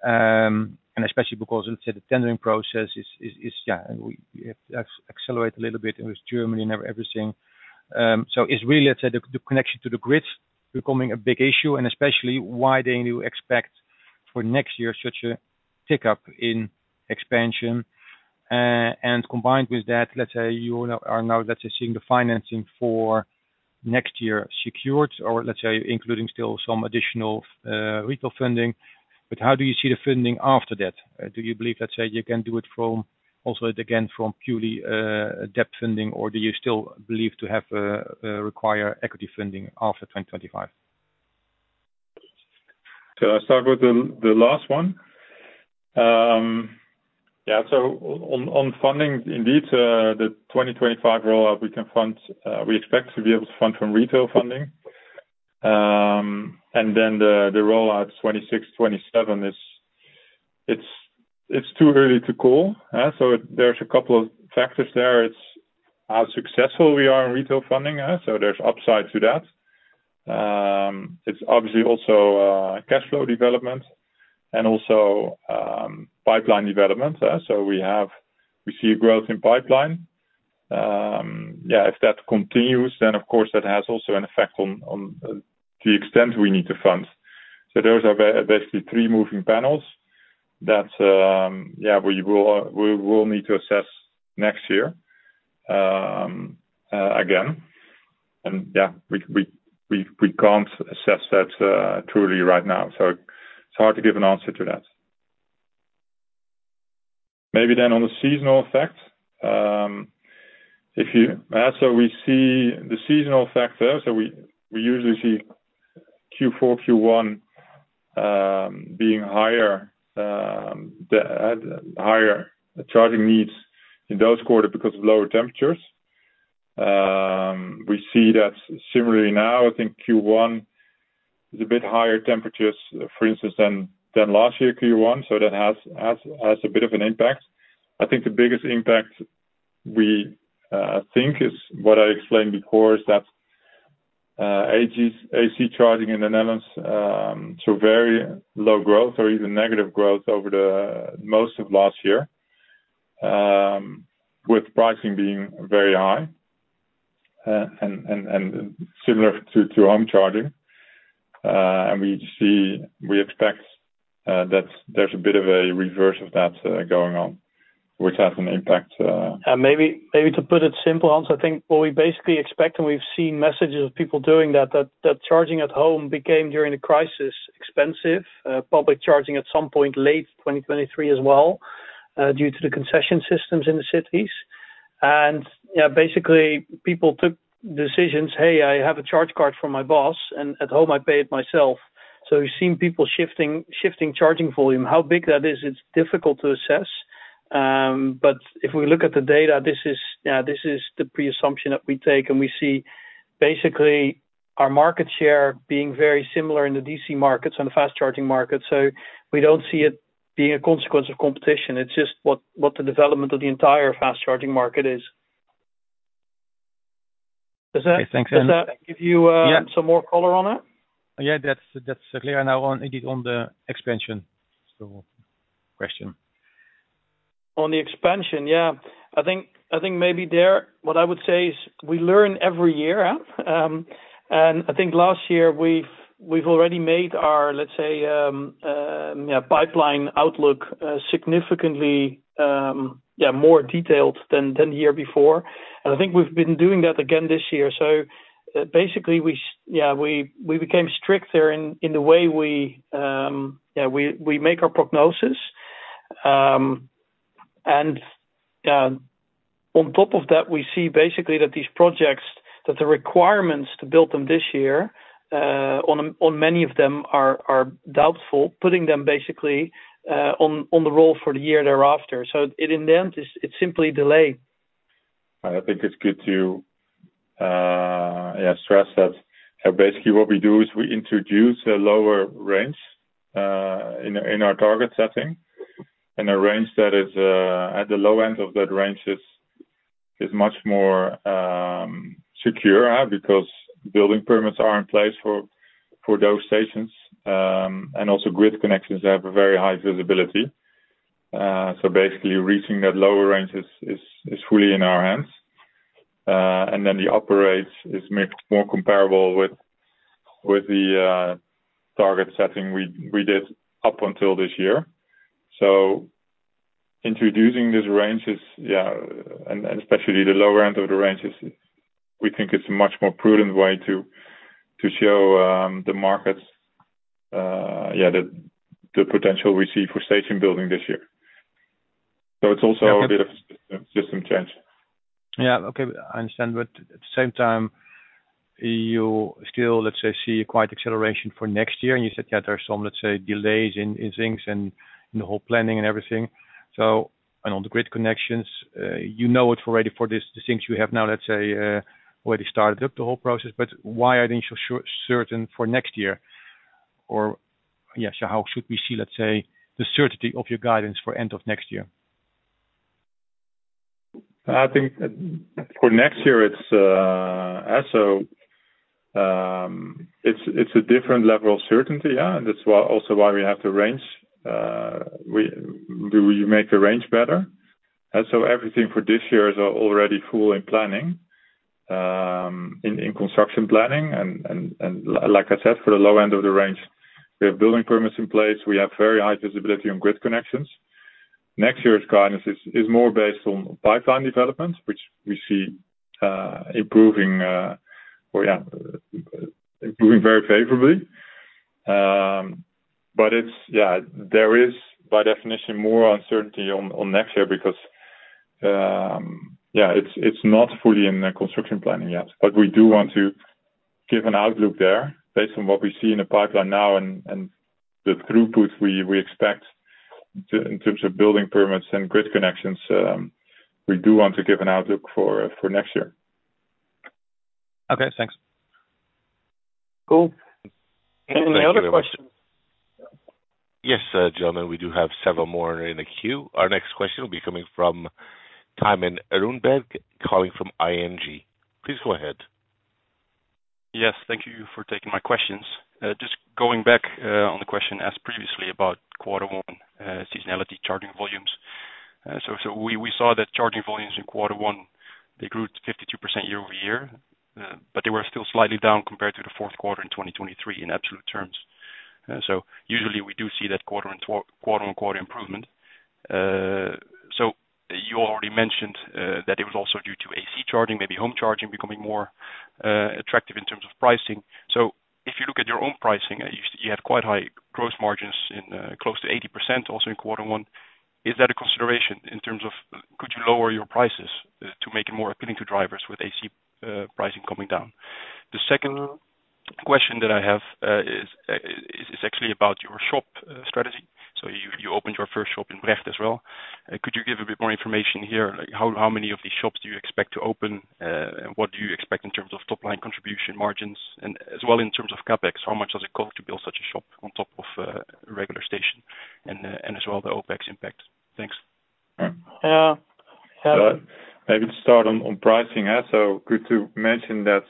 and especially because, let's say, the tendering process is, yeah, we have to accelerate a little bit with Germany and everything. So it's really, I'd say, the connection to the grids becoming a big issue, and especially why then you expect for next year such a tick up in expansion. And combined with that, let's say you are now, let's say, seeing the financing for next year secured, or let's say, including still some additional retail funding, but how do you see the funding after that? Do you believe, let's say, you can do it from also again, from purely debt funding, or do you still believe to have require equity funding after 2025? So I'll start with the last one. Yeah, so on funding, indeed, the 2025 rollout we can fund, we expect to be able to fund from retail funding. And then the rollout 2026, 2027 is... It's too early to call, so there's a couple of factors there. It's how successful we are in retail funding, so there's upside to that. It's obviously also cashflow development and also pipeline development, so we have- we see a growth in pipeline. Yeah, if that continues, then of course, that has also an effect on the extent we need to fund. So those are basically three moving panels that we will need to assess next year again, and we can't assess that truly right now, so it's hard to give an answer to that. Maybe then on the seasonal effect, if you... So we see the seasonal effect there, so we usually see Q4, Q1 being higher, the higher charging needs in those quarter because of lower temperatures. We see that similarly now. I think Q1 is a bit higher temperatures, for instance, than last year, Q1, so that has a bit of an impact. I think the biggest impact we think is what I explained before, is that, AC charging in the Netherlands, so very low growth or even negative growth over the most of last year, with pricing being very high, and similar to home charging. And we expect that there's a bit of a reverse of that going on, which has an impact. Maybe to put it simple, Hans, I think what we basically expect, and we've seen messages of people doing that, that charging at home became, during the crisis, expensive. Public charging at some point late 2023 as well, due to the concession systems in the cities. Yeah, basically, people took decisions, "Hey, I have a charge card from my boss, and at home I pay it myself." So we've seen people shifting charging volume. How big that is, it's difficult to assess, but if we look at the data, this is the preassumption that we take, and we see basically our market share being very similar in the DC markets and the fast charging market. So we don't see it being a consequence of competition. It's just what the development of the entire fast charging market is. Okay, thanks, Hans. Does that give you? Yeah Some more color on it? Yeah, that's, that's clear now on, indeed on the expansion. So question. On the expansion, yeah. I think, I think maybe there, what I would say is we learn every year, and I think last year we've, we've already made our, let's say, yeah, pipeline outlook, significantly, yeah, more detailed than, than the year before. And I think we've been doing that again this year. So basically, yeah, we, we became stricter in, in the way we, yeah, we, we make our prognosis. And, on top of that, we see basically that these projects, that the requirements to build them this year, on, on many of them are, are doubtful, putting them basically, on, on the roll for the year thereafter. So it in the end, it's, it's simply delayed. I think it's good to stress that basically what we do is we introduce a lower range in our target setting, and a range that is at the low end of that range is much more secure because building permits are in place for those stations. And also grid connections have a very high visibility, so basically reaching that lower range is fully in our hands. And then the upper range is more comparable with the target setting we did up until this year. Introducing these ranges, and especially the lower end of the ranges, we think it's a much more prudent way to show the markets the potential we see for station building this year. It's also a bit of system change. Yeah. Okay, I understand. But at the same time, you still, let's say, see quite acceleration for next year, and you said that there are some, let's say, delays in things and in the whole planning and everything. So, and on the grid connections, you know it already for this, the things you have now, let's say, where they started up the whole process, but why aren't you sure certain for next year? Or, yeah, so how should we see, let's say, the certainty of your guidance for end of next year? I think for next year it's also it's a different level of certainty, yeah, and that's why also why we have to range. We make the range better. And so everything for this year is already full in planning, in construction planning. And like I said, for the low end of the range, we have building permits in place. We have very high visibility on grid connections. Next year's guidance is more based on pipeline developments, which we see improving, well, yeah, improving very favorably. But it's yeah there is by definition more uncertainty on next year because yeah it's not fully in the construction planning yet. But we do want to give an outlook there based on what we see in the pipeline now and the throughput we expect in terms of building permits and grid connections. We do want to give an outlook for next year. Okay, thanks. Cool. Any other question? Yes, gentlemen, we do have several more in the queue. Our next question will be coming from Thymen Rundberg, calling from ING. Please go ahead. Yes, thank you for taking my questions. Just going back on the question asked previously about quarter one seasonality charging volumes. So we saw that charging volumes in quarter one, they grew 52% year-over-year, but they were still slightly down compared to the fourth quarter in 2023 in absolute terms. So usually we do see that quarter-on-quarter improvement. So you already mentioned that it was also due to AC charging, maybe home charging, becoming more attractive in terms of pricing. So if you look at your own pricing, you had quite high growth margins in close to 80% also in quarter one. Is that a consideration in terms of could you lower your prices to make it more appealing to drivers with AC pricing coming down? The second question that I have is actually about your shop strategy. So you opened your first shop in Brecht as well. Could you give a bit more information here? Like, how many of these shops do you expect to open, and what do you expect in terms of top line contribution margins? And as well, in terms of CapEx, how much does it cost to build such a shop on top of regular station, and as well, the OpEx impact? Thanks. Yeah. Maybe to start on pricing. Also, good to mention that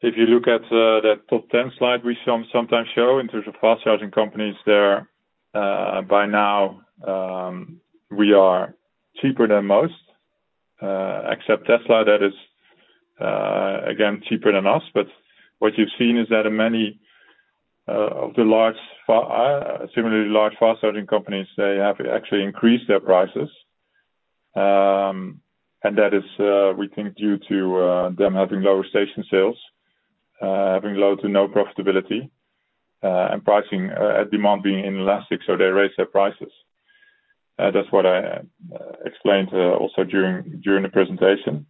if you look at that top ten slide we sometimes show in terms of fast charging companies there, by now, we are cheaper than most, except Tesla, that is, again, cheaper than us. But what you've seen is that in many of the large similarly large fast charging companies, they have actually increased their prices. And that is, we think due to them having lower station sales, having low to no profitability, and pricing at demand being inelastic, so they raise their prices. That's what I explained also during the presentation.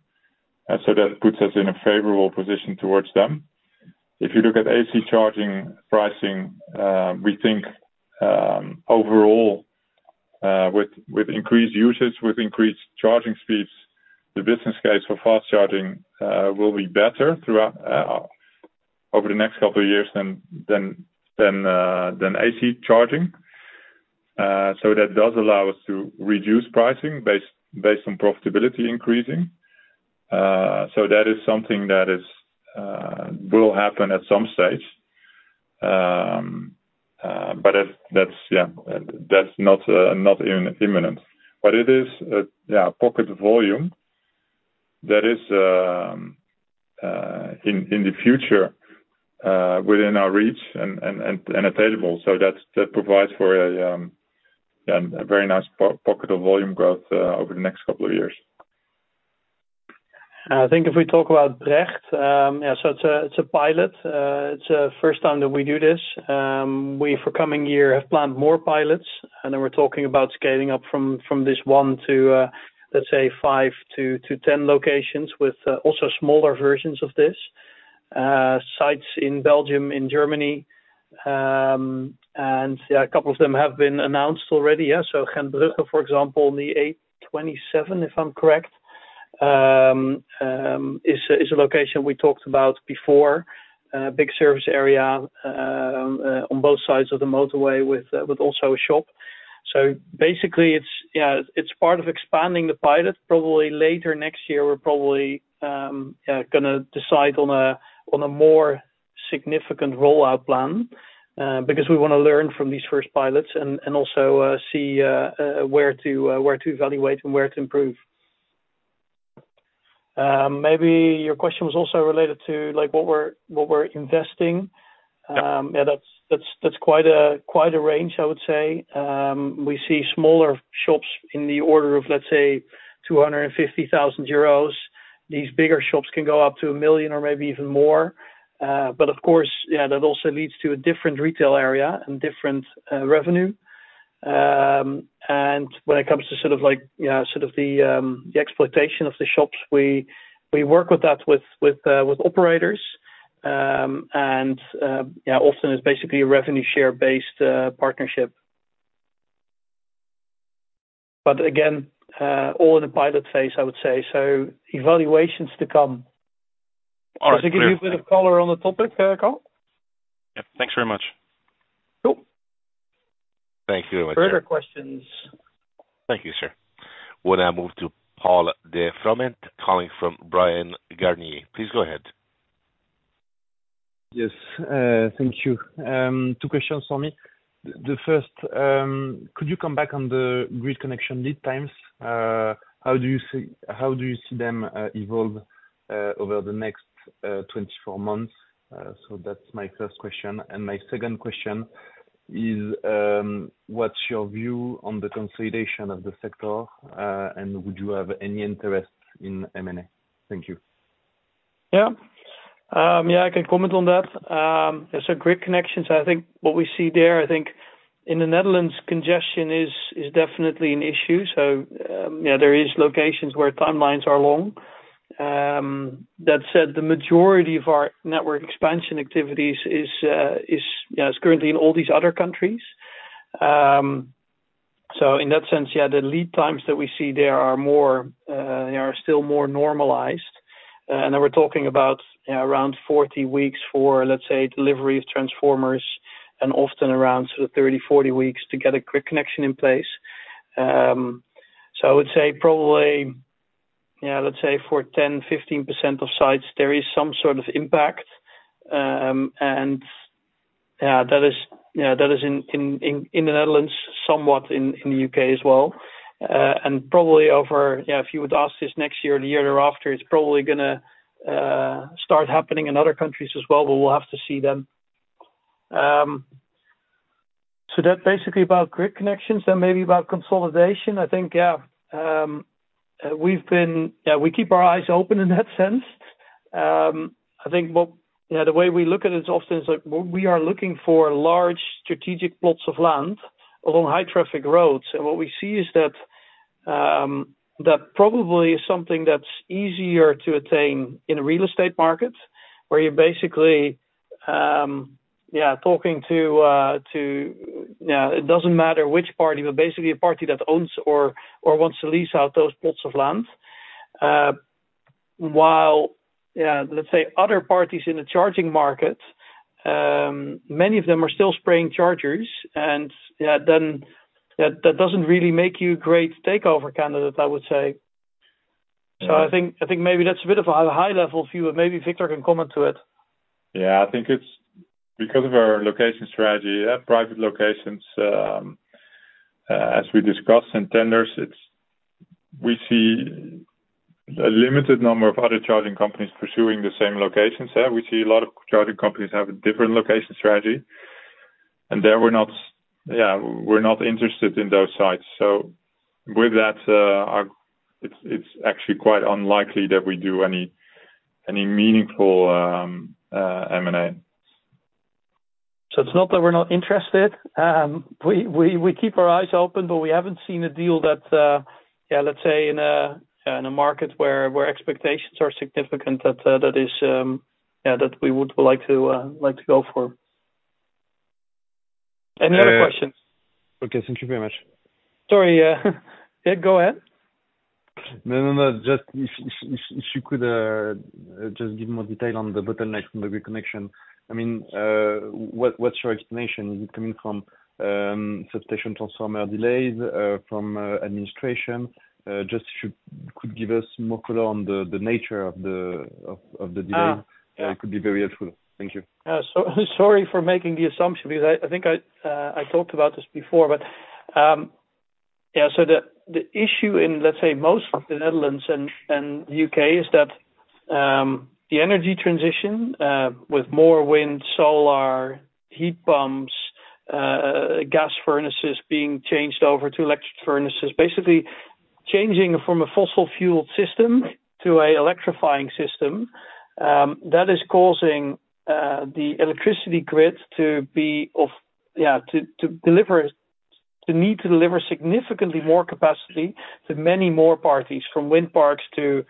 And so that puts us in a favorable position towards them. If you look at AC charging pricing, we think overall with increased usage with increased charging speeds the business case for fast charging will be better throughout over the next couple of years than AC charging. So that does allow us to reduce pricing based on profitability increasing. So that is something that will happen at some stage. But that's yeah that's not imminent. But it is yeah pocket volume that is in the future within our reach and available. So that's that provides for a very nice pocket of volume growth over the next couple of years. I think if we talk about Brecht, yeah, so it's a pilot. It's a first time that we do this. We, for coming year, have planned more pilots, and then we're talking about scaling up from this one to, let's say, five-10 locations with also smaller versions of this. Sites in Belgium, in Germany, and, yeah, a couple of them have been announced already, yeah. So Gentbrugge, for example, the A27, if I'm correct, is a location we talked about before. Big service area on both sides of the motorway with also a shop. So basically, it's, yeah, it's part of expanding the pilot. Probably later next year, we're probably gonna decide on a more significant rollout plan, because we wanna learn from these first pilots and also see where to evaluate and where to improve. Maybe your question was also related to, like, what we're investing? Yep. Yeah, that's quite a range, I would say. We see smaller shops in the order of, let's say, 250,000 euros. These bigger shops can go up to 1 million or maybe even more. But of course, yeah, that also leads to a different retail area and different revenue. And when it comes to sort of like, yeah, sort of the exploitation of the shops, we work with that with operators. Yeah, often it's basically a revenue share-based partnership. But again, all in the pilot phase, I would say. So evaluations to come. All right. Does that give you a bit of color on the topic, Carl? Yep, thanks very much. Sure. Thank you very much. Further questions? Thank you, sir. When I move to Paul de Froment, calling from Bryan Garnier, please go ahead. Yes, thank you. Two questions for me. The first, could you come back on the grid connection lead times? How do you see, how do you see them, evolve, over the next 24 months? So that's my first question. And my second question is, what's your view on the consolidation of the sector, and would you have any interest in M&A? Thank you. Yeah. Yeah, I can comment on that. So grid connections, I think what we see there, I think in the Netherlands, congestion is, is definitely an issue. So, yeah, there is locations where timelines are long. That said, the majority of our network expansion activities is, is, yeah, is currently in all these other countries. So in that sense, yeah, the lead times that we see there are more, they are still more normalized. And then we're talking about, yeah, around 40 weeks for, let's say, delivery of transformers, and often around sort of 30-40 weeks to get a quick connection in place. So I would say probably, yeah, let's say for 10%-15% of sites, there is some sort of impact. And, yeah, that is, yeah, that is in the Netherlands, somewhat in the U.K. as well. And probably, yeah, if you would ask this next year or the year after, it's probably gonna start happening in other countries as well, but we'll have to see then. So that's basically about grid connections, and maybe about consolidation. I think, yeah, we keep our eyes open in that sense. I think what, you know, the way we look at it often is, like, we are looking for large strategic plots of land along high traffic roads. And what we see is that that probably is something that's easier to attain in a real estate market, where you're basically yeah talking to yeah it doesn't matter which party, but basically a party that owns or or wants to lease out those plots of land. While yeah let's say other parties in the charging market many of them are still spraying chargers, and yeah then that that doesn't really make you a great takeover candidate, I would say. So I think I think maybe that's a bit of a high-level view, but maybe Victor can comment to it. Yeah, I think it's because of our location strategy, yeah, private locations, as we discussed in tenders, we see a limited number of other charging companies pursuing the same locations there. We see a lot of charging companies have a different location strategy, and there we're not, yeah, we're not interested in those sites. So with that, it's actually quite unlikely that we do any meaningful M&A. So it's not that we're not interested, we keep our eyes open, but we haven't seen a deal that, yeah, let's say in a market where expectations are significant, that we would like to, like, to go for. Any other questions? Okay. Thank you very much. Sorry, yeah, go ahead. No, no, no, just if you could just give more detail on the bottleneck from the grid connection. I mean, what, what's your explanation? Is it coming from substation transformer delays from administration? Just if you could give us more color on the nature of the delay. Ah. It could be very helpful. Thank you. So sorry for making the assumption, because I think I talked about this before. But yeah, so the issue in, let's say, most of the Netherlands and the U.K., is that the energy transition with more wind, solar, heat pumps, gas furnaces being changed over to electric furnaces, basically changing from a fossil fuel system to an electrifying system, that is causing the electricity grid to be of, yeah, to deliver the need to deliver significantly more capacity to many more parties, from wind parks to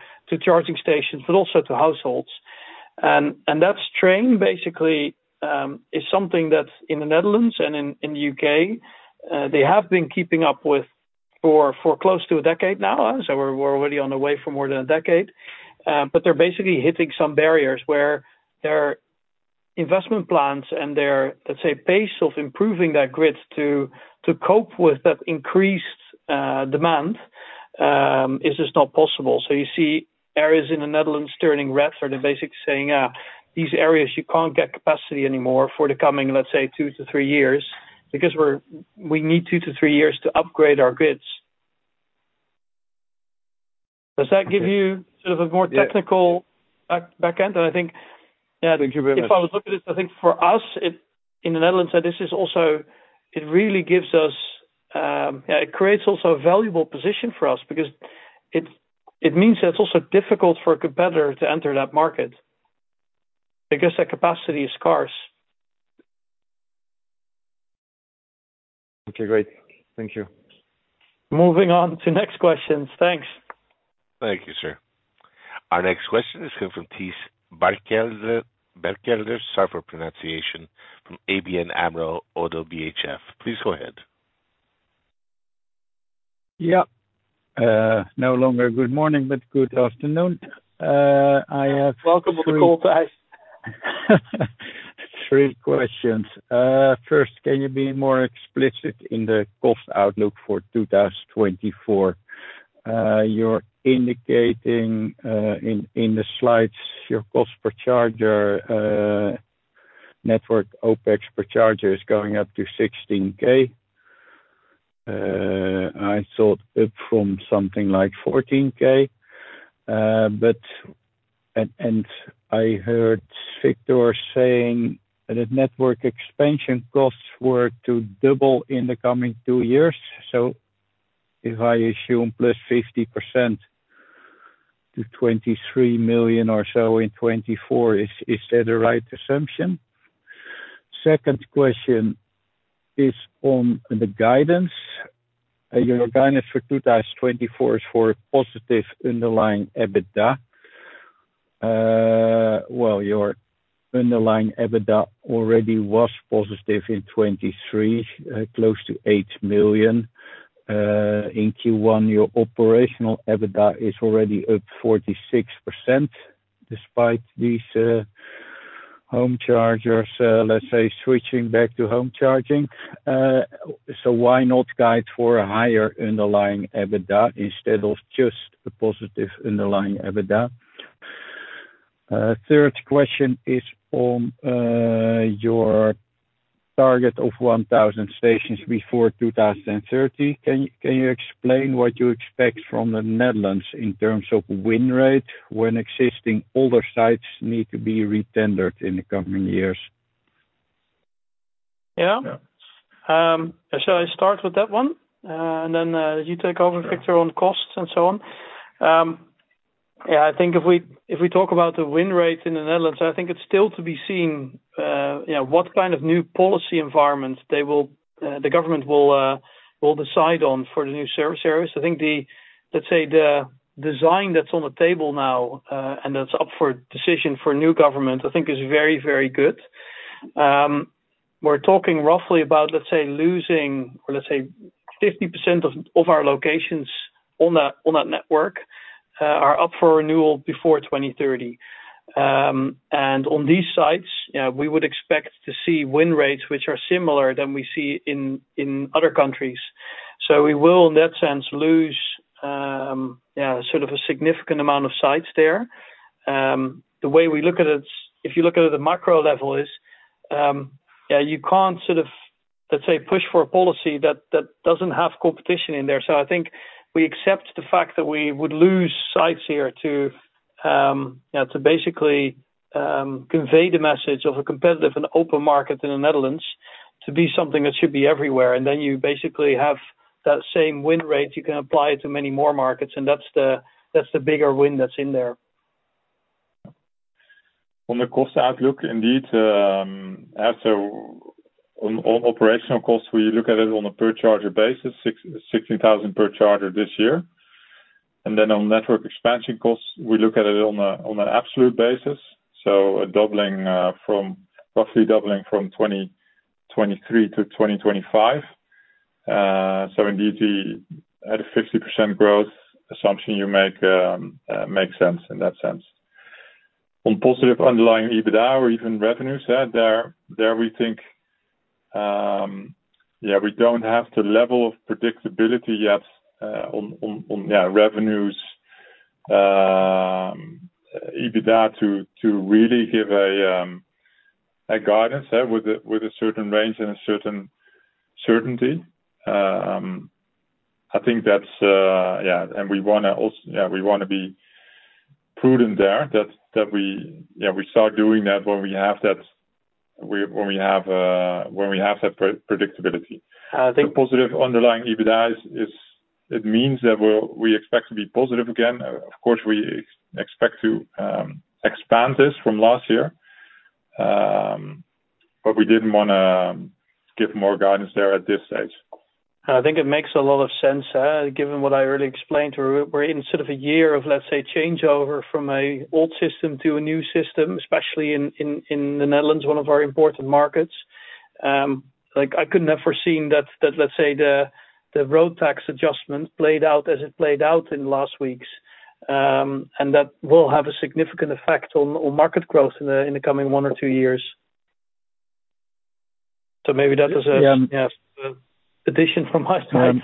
charging stations, but also to households. And that strain, basically, is something that's in the Netherlands and in the UK. They have been keeping up with it for close to a decade now. So we're already on the way for more than a decade. But they're basically hitting some barriers, where their investment plans and their, let's say, pace of improving that grid to cope with that increased demand is just not possible. So you see areas in the Netherlands turning red, sort of basically saying these areas you can't get capacity anymore for the coming, let's say, two to three years... because we need two to three years to upgrade our grids. Does that give you sort of a more technical. Yeah. Back, backend? And I think, yeah. Thank you very much. If I look at it, I think for us, in the Netherlands, this is also, it really gives us, it creates also a valuable position for us because it means that it's also difficult for a competitor to enter that market, because the capacity is scarce. Okay, great. Thank you. Moving on to next questions. Thanks. Thank you, sir. Our next question is coming from Thijs Berkelder, Berkelder. Sorry for pronunciation, from ABN AMRO - ODDO BHF. Please go ahead. Yeah. No longer good morning, but good afternoon. I have. Welcome on the call, Thijs. Three questions. First, can you be more explicit in the cost outlook for 2024? You're indicating, in the slides, your cost per charger, network OPEX per charger is going up to 16K. I saw it from something like 14K, but and I heard Victor saying that network expansion costs were to double in the coming two years. So if I assume +50% to 23 million or so in 2024, is that the right assumption? Second question is on the guidance. Your guidance for 2024 is for positive underlying EBITDA. Well, your underlying EBITDA already was positive in 2023, close to 8 million. In Q1, your operational EBITDA is already up 46%, despite these home chargers, let's say, switching back to home charging. So why not guide for a higher underlying EBITDA instead of just a positive underlying EBITDA? Third question is on your target of 1,000 stations before 2030. Can you explain what you expect from the Netherlands in terms of win rate, when existing older sites need to be re-tendered in the coming years? Yeah. Yeah. Shall I start with that one? And then you take over, Victor, on costs and so on. Yeah, I think if we talk about the win rate in the Netherlands, I think it's still to be seen, you know, what kind of new policy environment they will, the government will decide on for the new service areas. I think the, let's say, the design that's on the table now, and that's up for decision for new government, I think is very, very good. We're talking roughly about, let's say, losing, or let's say, 50% of our locations on that network are up for renewal before 2030. And on these sites, we would expect to see win rates which are similar than we see in other countries. So we will, in that sense, lose sort of a significant amount of sites there. The way we look at it, if you look at it, the micro level is, you can't sort of, let's say, push for a policy that, that doesn't have competition in there. So I think we accept the fact that we would lose sites here to basically convey the message of a competitive and open market in the Netherlands, to be something that should be everywhere. And then you basically have that same win rate you can apply to many more markets, and that's the, that's the bigger win that's in there. On the cost outlook, indeed, as on operational costs, we look at it on a per charger basis, 16,000 per charger this year. And then on network expansion costs, we look at it on an absolute basis, so a doubling from roughly doubling from 2023 to 2025. So indeed, the at a 50% growth assumption you make makes sense in that sense. On positive underlying EBITDA or even revenue side, there we think we don't have the level of predictability yet on revenues, EBITDA to really give a guidance with a certain range and a certain certainty. I think that's. Yeah, and we wanna also, yeah, we wanna be prudent there, that we, yeah, we start doing that when we have that predictability. I think. The positive underlying EBITDA is. It means that we're, we expect to be positive again. Of course, we expect to expand this from last year. But we didn't wanna give more guidance there at this stage. I think it makes a lot of sense, given what I already explained. We're in sort of a year of, let's say, changeover from an old system to a new system, especially in the Netherlands, one of our important markets. Like, I couldn't have foreseen that, let's say the road tax adjustment played out as it played out in the last weeks. And that will have a significant effect on market growth in the coming one or two years. So maybe that is a. Yeah. Yeah, addition from my side.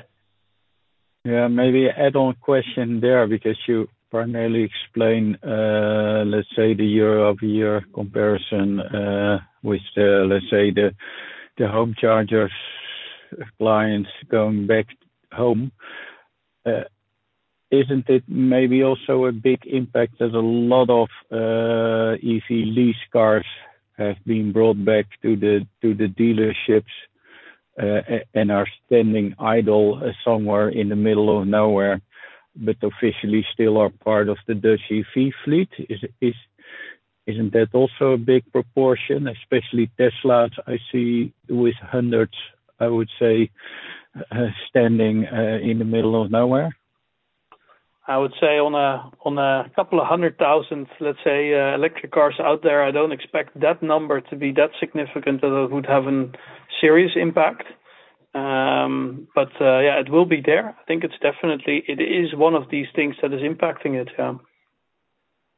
Yeah, maybe add-on question there, because you primarily explain, let's say, the year-over-year comparison with the, let's say, the home chargers clients going back home. Isn't it maybe also a big impact that a lot of EV lease cars have been brought back to the dealerships and are standing idle somewhere in the middle of nowhere, but officially still are part of the Dutch EV fleet? Isn't that also a big proportion, especially Teslas I see with hundreds, I would say, standing in the middle of nowhere? I would say on a 200,000, let's say, electric cars out there, I don't expect that number to be that significant that it would have a serious impact. But yeah, it will be there. I think it's definitely, it is one of these things that is impacting it, yeah.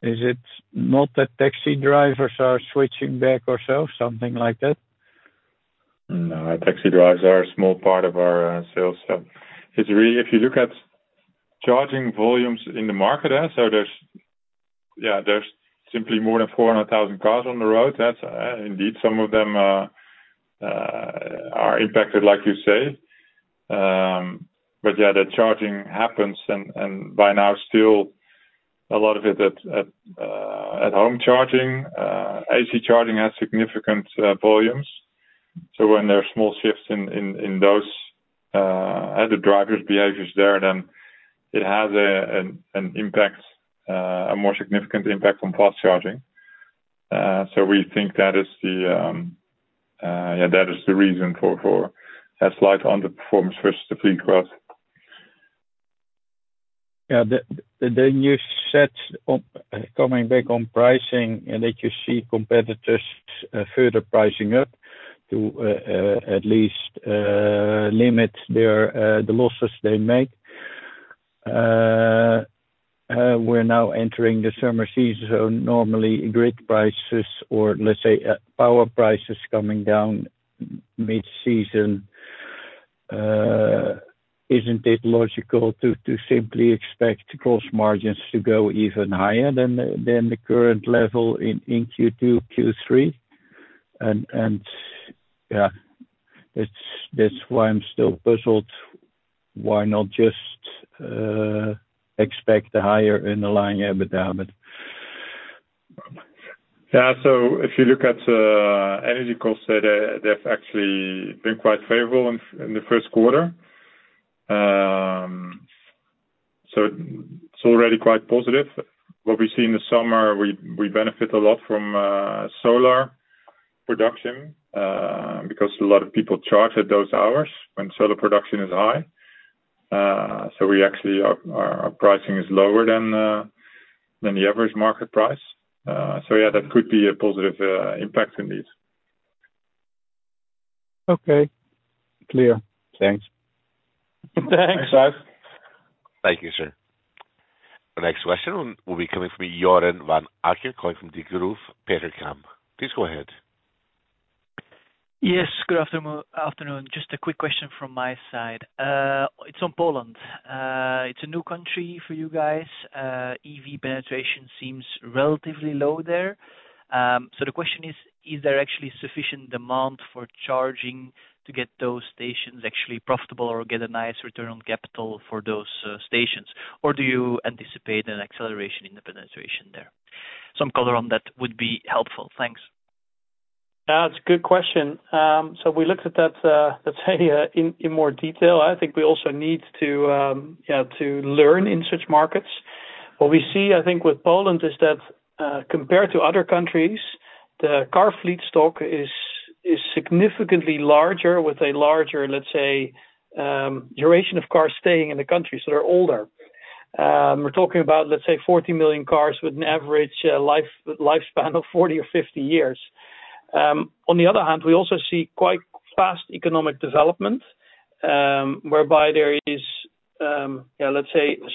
Is it not that taxi drivers are switching back or so, something like that? No, taxi drivers are a small part of our sales. So it's really, if you look at charging volumes in the market, so there's yeah, there's simply more than 400,000 cars on the road, that's indeed, some of them are impacted, like you say. But yeah, the charging happens, and by now still a lot of it at home charging. AC charging has significant volumes, so when there are small shifts in those other drivers' behaviors there, then it has an impact, a more significant impact on fast charging. So we think that is the yeah, that is the reason for a slight underperformance versus the fleet growth. Yeah, then you said, coming back on pricing, and that you see competitors further pricing up to at least limit the losses they make. We're now entering the summer season, so normally grid prices or let's say power prices coming down mid-season. Isn't it logical to simply expect gross margins to go even higher than the current level in Q2, Q3? And yeah, that's why I'm still puzzled. Why not just expect higher underlying EBITDA? Yeah, so if you look at energy costs, they, they've actually been quite favorable in the first quarter. So it's already quite positive. What we see in the summer, we benefit a lot from solar production because a lot of people charge at those hours when solar production is high. So we actually, our pricing is lower than the average market price. So yeah, that could be a positive impact indeed. Okay. Clear. Thanks. Thanks. Thanks. Thijs. Thank you, sir. The next question will be coming from Joren Van Aken, calling from Degroof Petercam. Please go ahead. Yes, good afternoon. Just a quick question from my side. It's on Poland. It's a new country for you guys. EV penetration seems relatively low there. So the question is: Is there actually sufficient demand for charging to get those stations actually profitable or get a nice return on capital for those stations? Or do you anticipate an acceleration in the penetration there? Some color on that would be helpful. Thanks. It's a good question. So we looked at that, let's say, in more detail. I think we also need to learn in such markets. What we see, I think, with Poland, is that, compared to other countries, the car fleet stock is significantly larger, with a larger, let's say, duration of cars staying in the country, so they're older. We're talking about, let's say, 40 million cars with an average lifespan of 40 or 50 years. On the other hand, we also see quite fast economic development, whereby there is a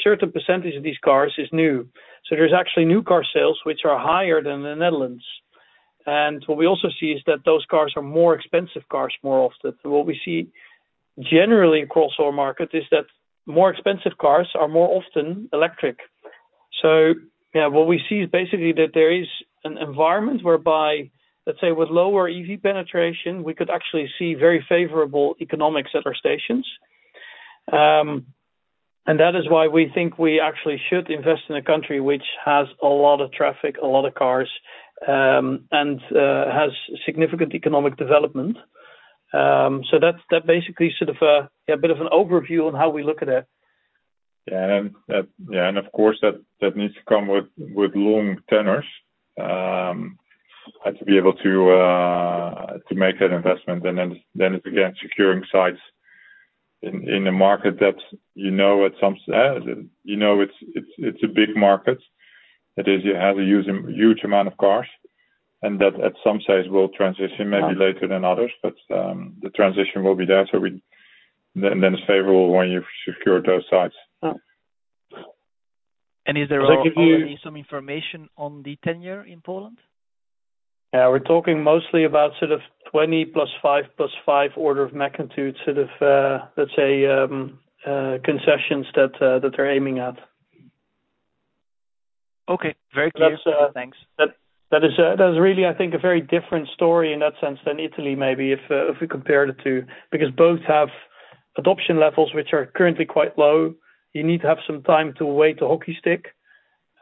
certain percentage of these cars is new. So there's actually new car sales, which are higher than the Netherlands. And what we also see is that those cars are more expensive cars, more often. What we see generally across our markets is that more expensive cars are more often electric. So yeah, what we see is basically that there is an environment whereby, let's say, with lower EV penetration, we could actually see very favorable economics at our stations. And that is why we think we actually should invest in a country which has a lot of traffic, a lot of cars, and has significant economic development. So that's that, basically sort of, yeah, a bit of an overview on how we look at it. Yeah, and yeah, and of course, that needs to come with long tenors. To be able to to make that investment, and then, then it's again securing sites in a market that you know at some, you know, it's a big market. That is, you have a huge amount of cars, and that at some stage will transition, maybe later than others, but the transition will be there, so we... Then, then it's favorable when you've secured those sites. Is there already some information on the tender in Poland? Yeah, we're talking mostly about sort of 20 plus five, plus five order of magnitude, sort of, let's say, concessions that they're aiming at. Okay. Very clear. That's, uh. Thanks. That is really, I think, a very different story in that sense than Italy, maybe if we compare the two, because both have adoption levels, which are currently quite low. You need to have some time to await the hockey stick.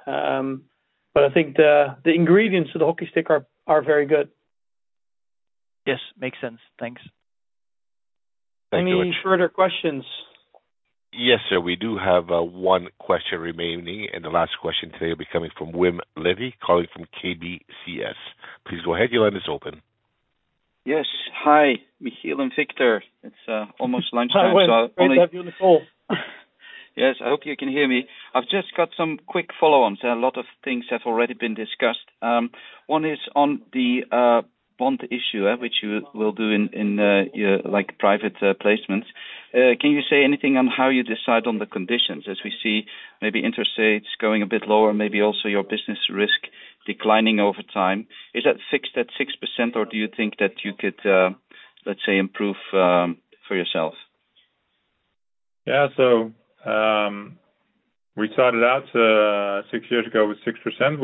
But I think the ingredients to the hockey stick are very good. Yes, makes sense. Thanks. Thank you very much. Any further questions? Yes, sir, we do have one question remaining, and the last question today will be coming from Wim Hoste, calling from KBC Securities. Please go ahead, your line is open. Yes. Hi, Michiel and Victor. It's almost lunchtime, so. Hi, Wim. Great to have you on the call. Yes, I hope you can hear me. I've just got some quick follow-ons. A lot of things have already been discussed. One is on the bond issue, which you will do in your like private placements. Can you say anything on how you decide on the conditions, as we see maybe interest rates going a bit lower, maybe also your business risk declining over time? Is that fixed at 6%, or do you think that you could, let's say, improve for yourself? Yeah, so we started out six years ago with 6%.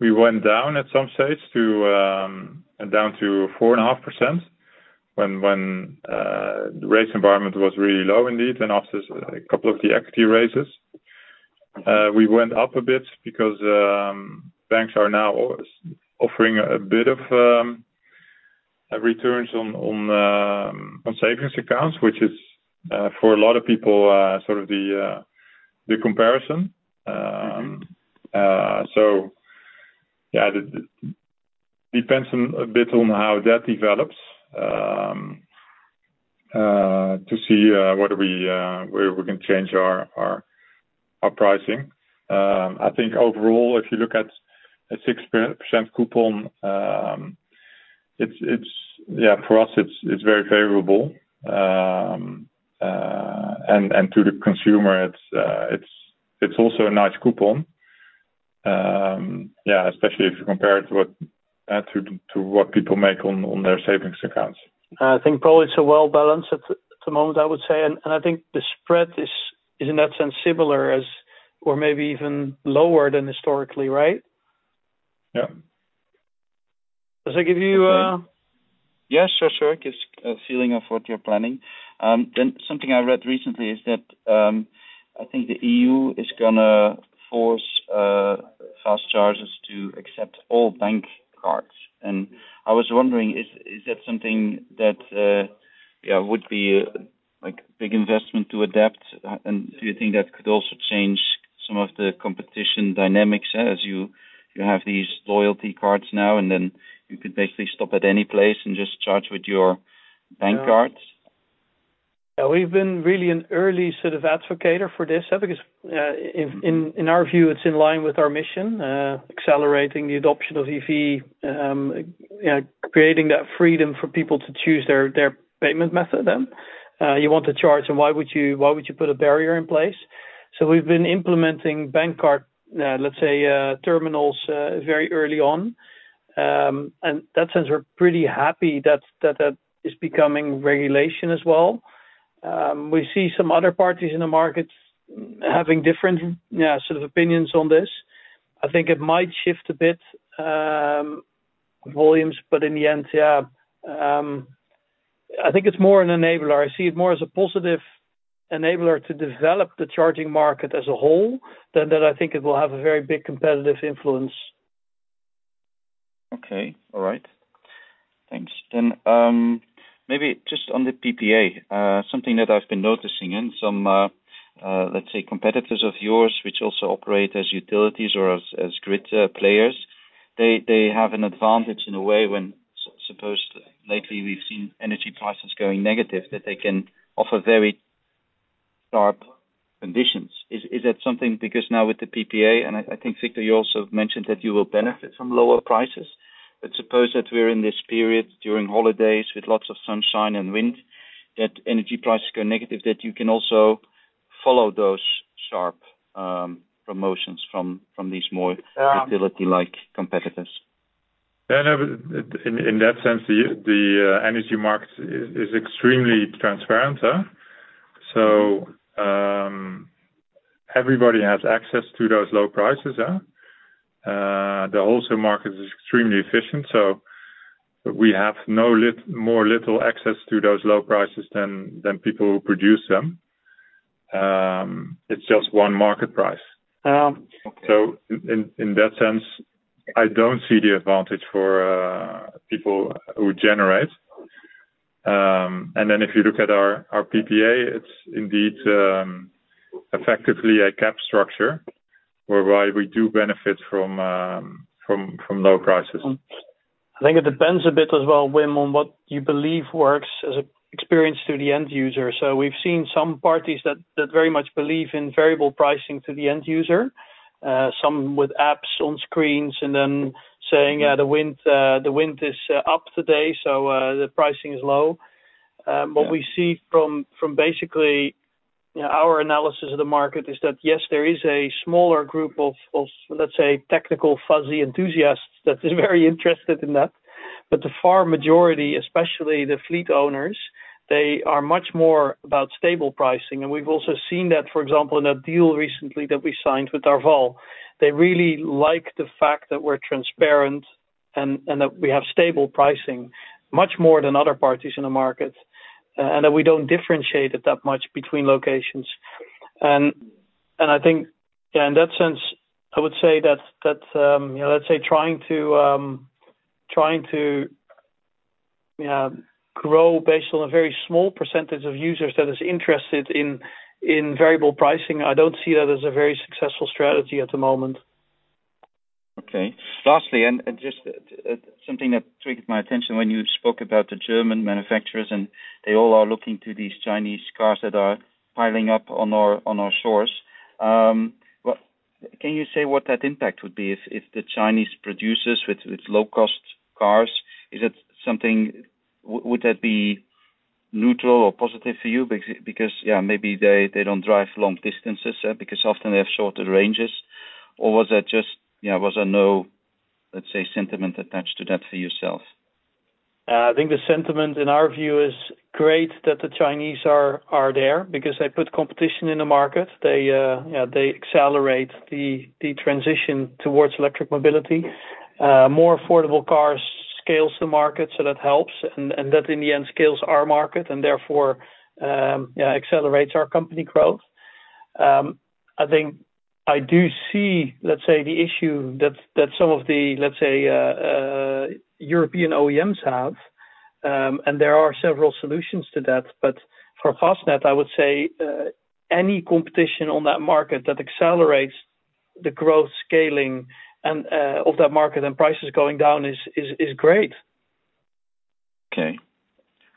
We went down at some stage to down to 4.5% when the rate environment was really low indeed, and after a couple of the equity raises. We went up a bit because banks are now offering a bit of returns on savings accounts, which is for a lot of people sort of the comparison. So yeah, it depends on a bit on how that develops to see whether we where we can change our pricing. I think overall, if you look at a 6% coupon, it's yeah, for us, it's very favorable. To the consumer, it's also a nice coupon. Yeah, especially if you compare it to what people make on their savings accounts. I think probably it's well balanced at the moment, I would say, and I think the spread is in that sense similar to, or maybe even lower than historically, right? Yeah. Does that give you, Yes, sure, sure. It gives a feeling of what you're planning. Then something I read recently is that, I think the EU is gonna force fast chargers to accept all bank cards, and I was wondering, is, is that something that, yeah, would be a, like, big investment to adapt? And do you think that could also change some of the competition dynamics as you, you have these loyalty cards now, and then you could basically stop at any place and just charge with your bank cards? Yeah. We've been really an early sort of advocate for this, because in our view, it's in line with our mission, accelerating the adoption of EV. You know, creating that freedom for people to choose their payment method then. You want to charge, and why would you put a barrier in place? So we've been implementing bank card, let's say, terminals very early on. And in that sense, we're pretty happy that that is becoming regulation as well. We see some other parties in the markets having different, yeah, sort of opinions on this. I think it might shift a bit volumes, but in the end, yeah, I think it's more an enabler. I see it more as a positive enabler to develop the charging market as a whole, than that I think it will have a very big competitive influence. Okay, all right. Thanks. Then, maybe just on the PPA, something that I've been noticing in some, let's say competitors of yours, which also operate as utilities or as grid players, they have an advantage in a way when, suppose lately we've seen energy prices going negative, that they can offer very sharp conditions. Is that something because now with the PPA, and I think Victor, you also mentioned that you will benefit from lower prices? But suppose that we're in this period during holidays with lots of sunshine and wind, that energy prices go negative, that you can also follow those sharp promotions from these more facility-like competitors. Yeah, no, but in that sense, the energy market is extremely transparent, huh? So, everybody has access to those low prices, yeah. The wholesale market is extremely efficient, so we have no little more access to those low prices than people who produce them. It's just one market price. So in that sense, I don't see the advantage for people who generate. And then if you look at our PPA, it's indeed effectively a cap structure, whereby we do benefit from low prices. I think it depends a bit as well, Wim, on what you believe works as an experience to the end user. So we've seen some parties that very much believe in variable pricing to the end user, some with apps on screens and then saying, "Yeah, the wind is up today, so the pricing is low." What we see from basically, you know, our analysis of the market is that, yes, there is a smaller group of, let's say, technical, fuzzy enthusiasts that is very interested in that. But the far majority, especially the fleet owners, they are much more about stable pricing. And we've also seen that, for example, in a deal recently that we signed with Arval. They really like the fact that we're transparent and that we have stable pricing, much more than other parties in the market, and that we don't differentiate it that much between locations. And I think, yeah, in that sense, I would say that, you know, let's say trying to grow based on a very small percentage of users that is interested in variable pricing, I don't see that as a very successful strategy at the moment. Okay. Lastly, just something that tweaked my attention when you spoke about the German manufacturers, and they all are looking to these Chinese cars that are piling up on our shores. What can you say what that impact would be if the Chinese producers with low-cost cars, is it something? Would that be neutral or positive for you? Because, yeah, maybe they don't drive long distances because often they have shorter ranges. Or was that just, you know, was there no, let's say, sentiment attached to that for yourself? I think the sentiment in our view is great that the Chinese are there, because they put competition in the market. They, yeah, they accelerate the transition towards electric mobility. More affordable cars scales the market, so that helps, and that in the end, scales our market, and therefore, yeah, accelerates our company growth. I think I do see, let's say, the issue that some of the, let's say, European OEMs have, and there are several solutions to that. But for Fastned, I would say, any competition on that market that accelerates the growth scaling and of that market and prices going down is great. Okay.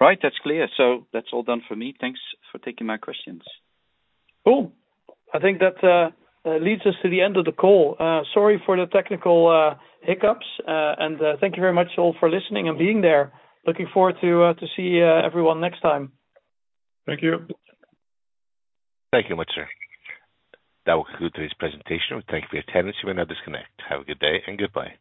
Right, that's clear. So that's all done for me. Thanks for taking my questions. Cool! I think that leads us to the end of the call. Sorry for the technical hiccups, and thank you very much all for listening and being there. Looking forward to see everyone next time. Thank you. Thank you much, sir. That will conclude today's presentation. Thank you for your attendance. You may now disconnect. Have a good day, and goodbye.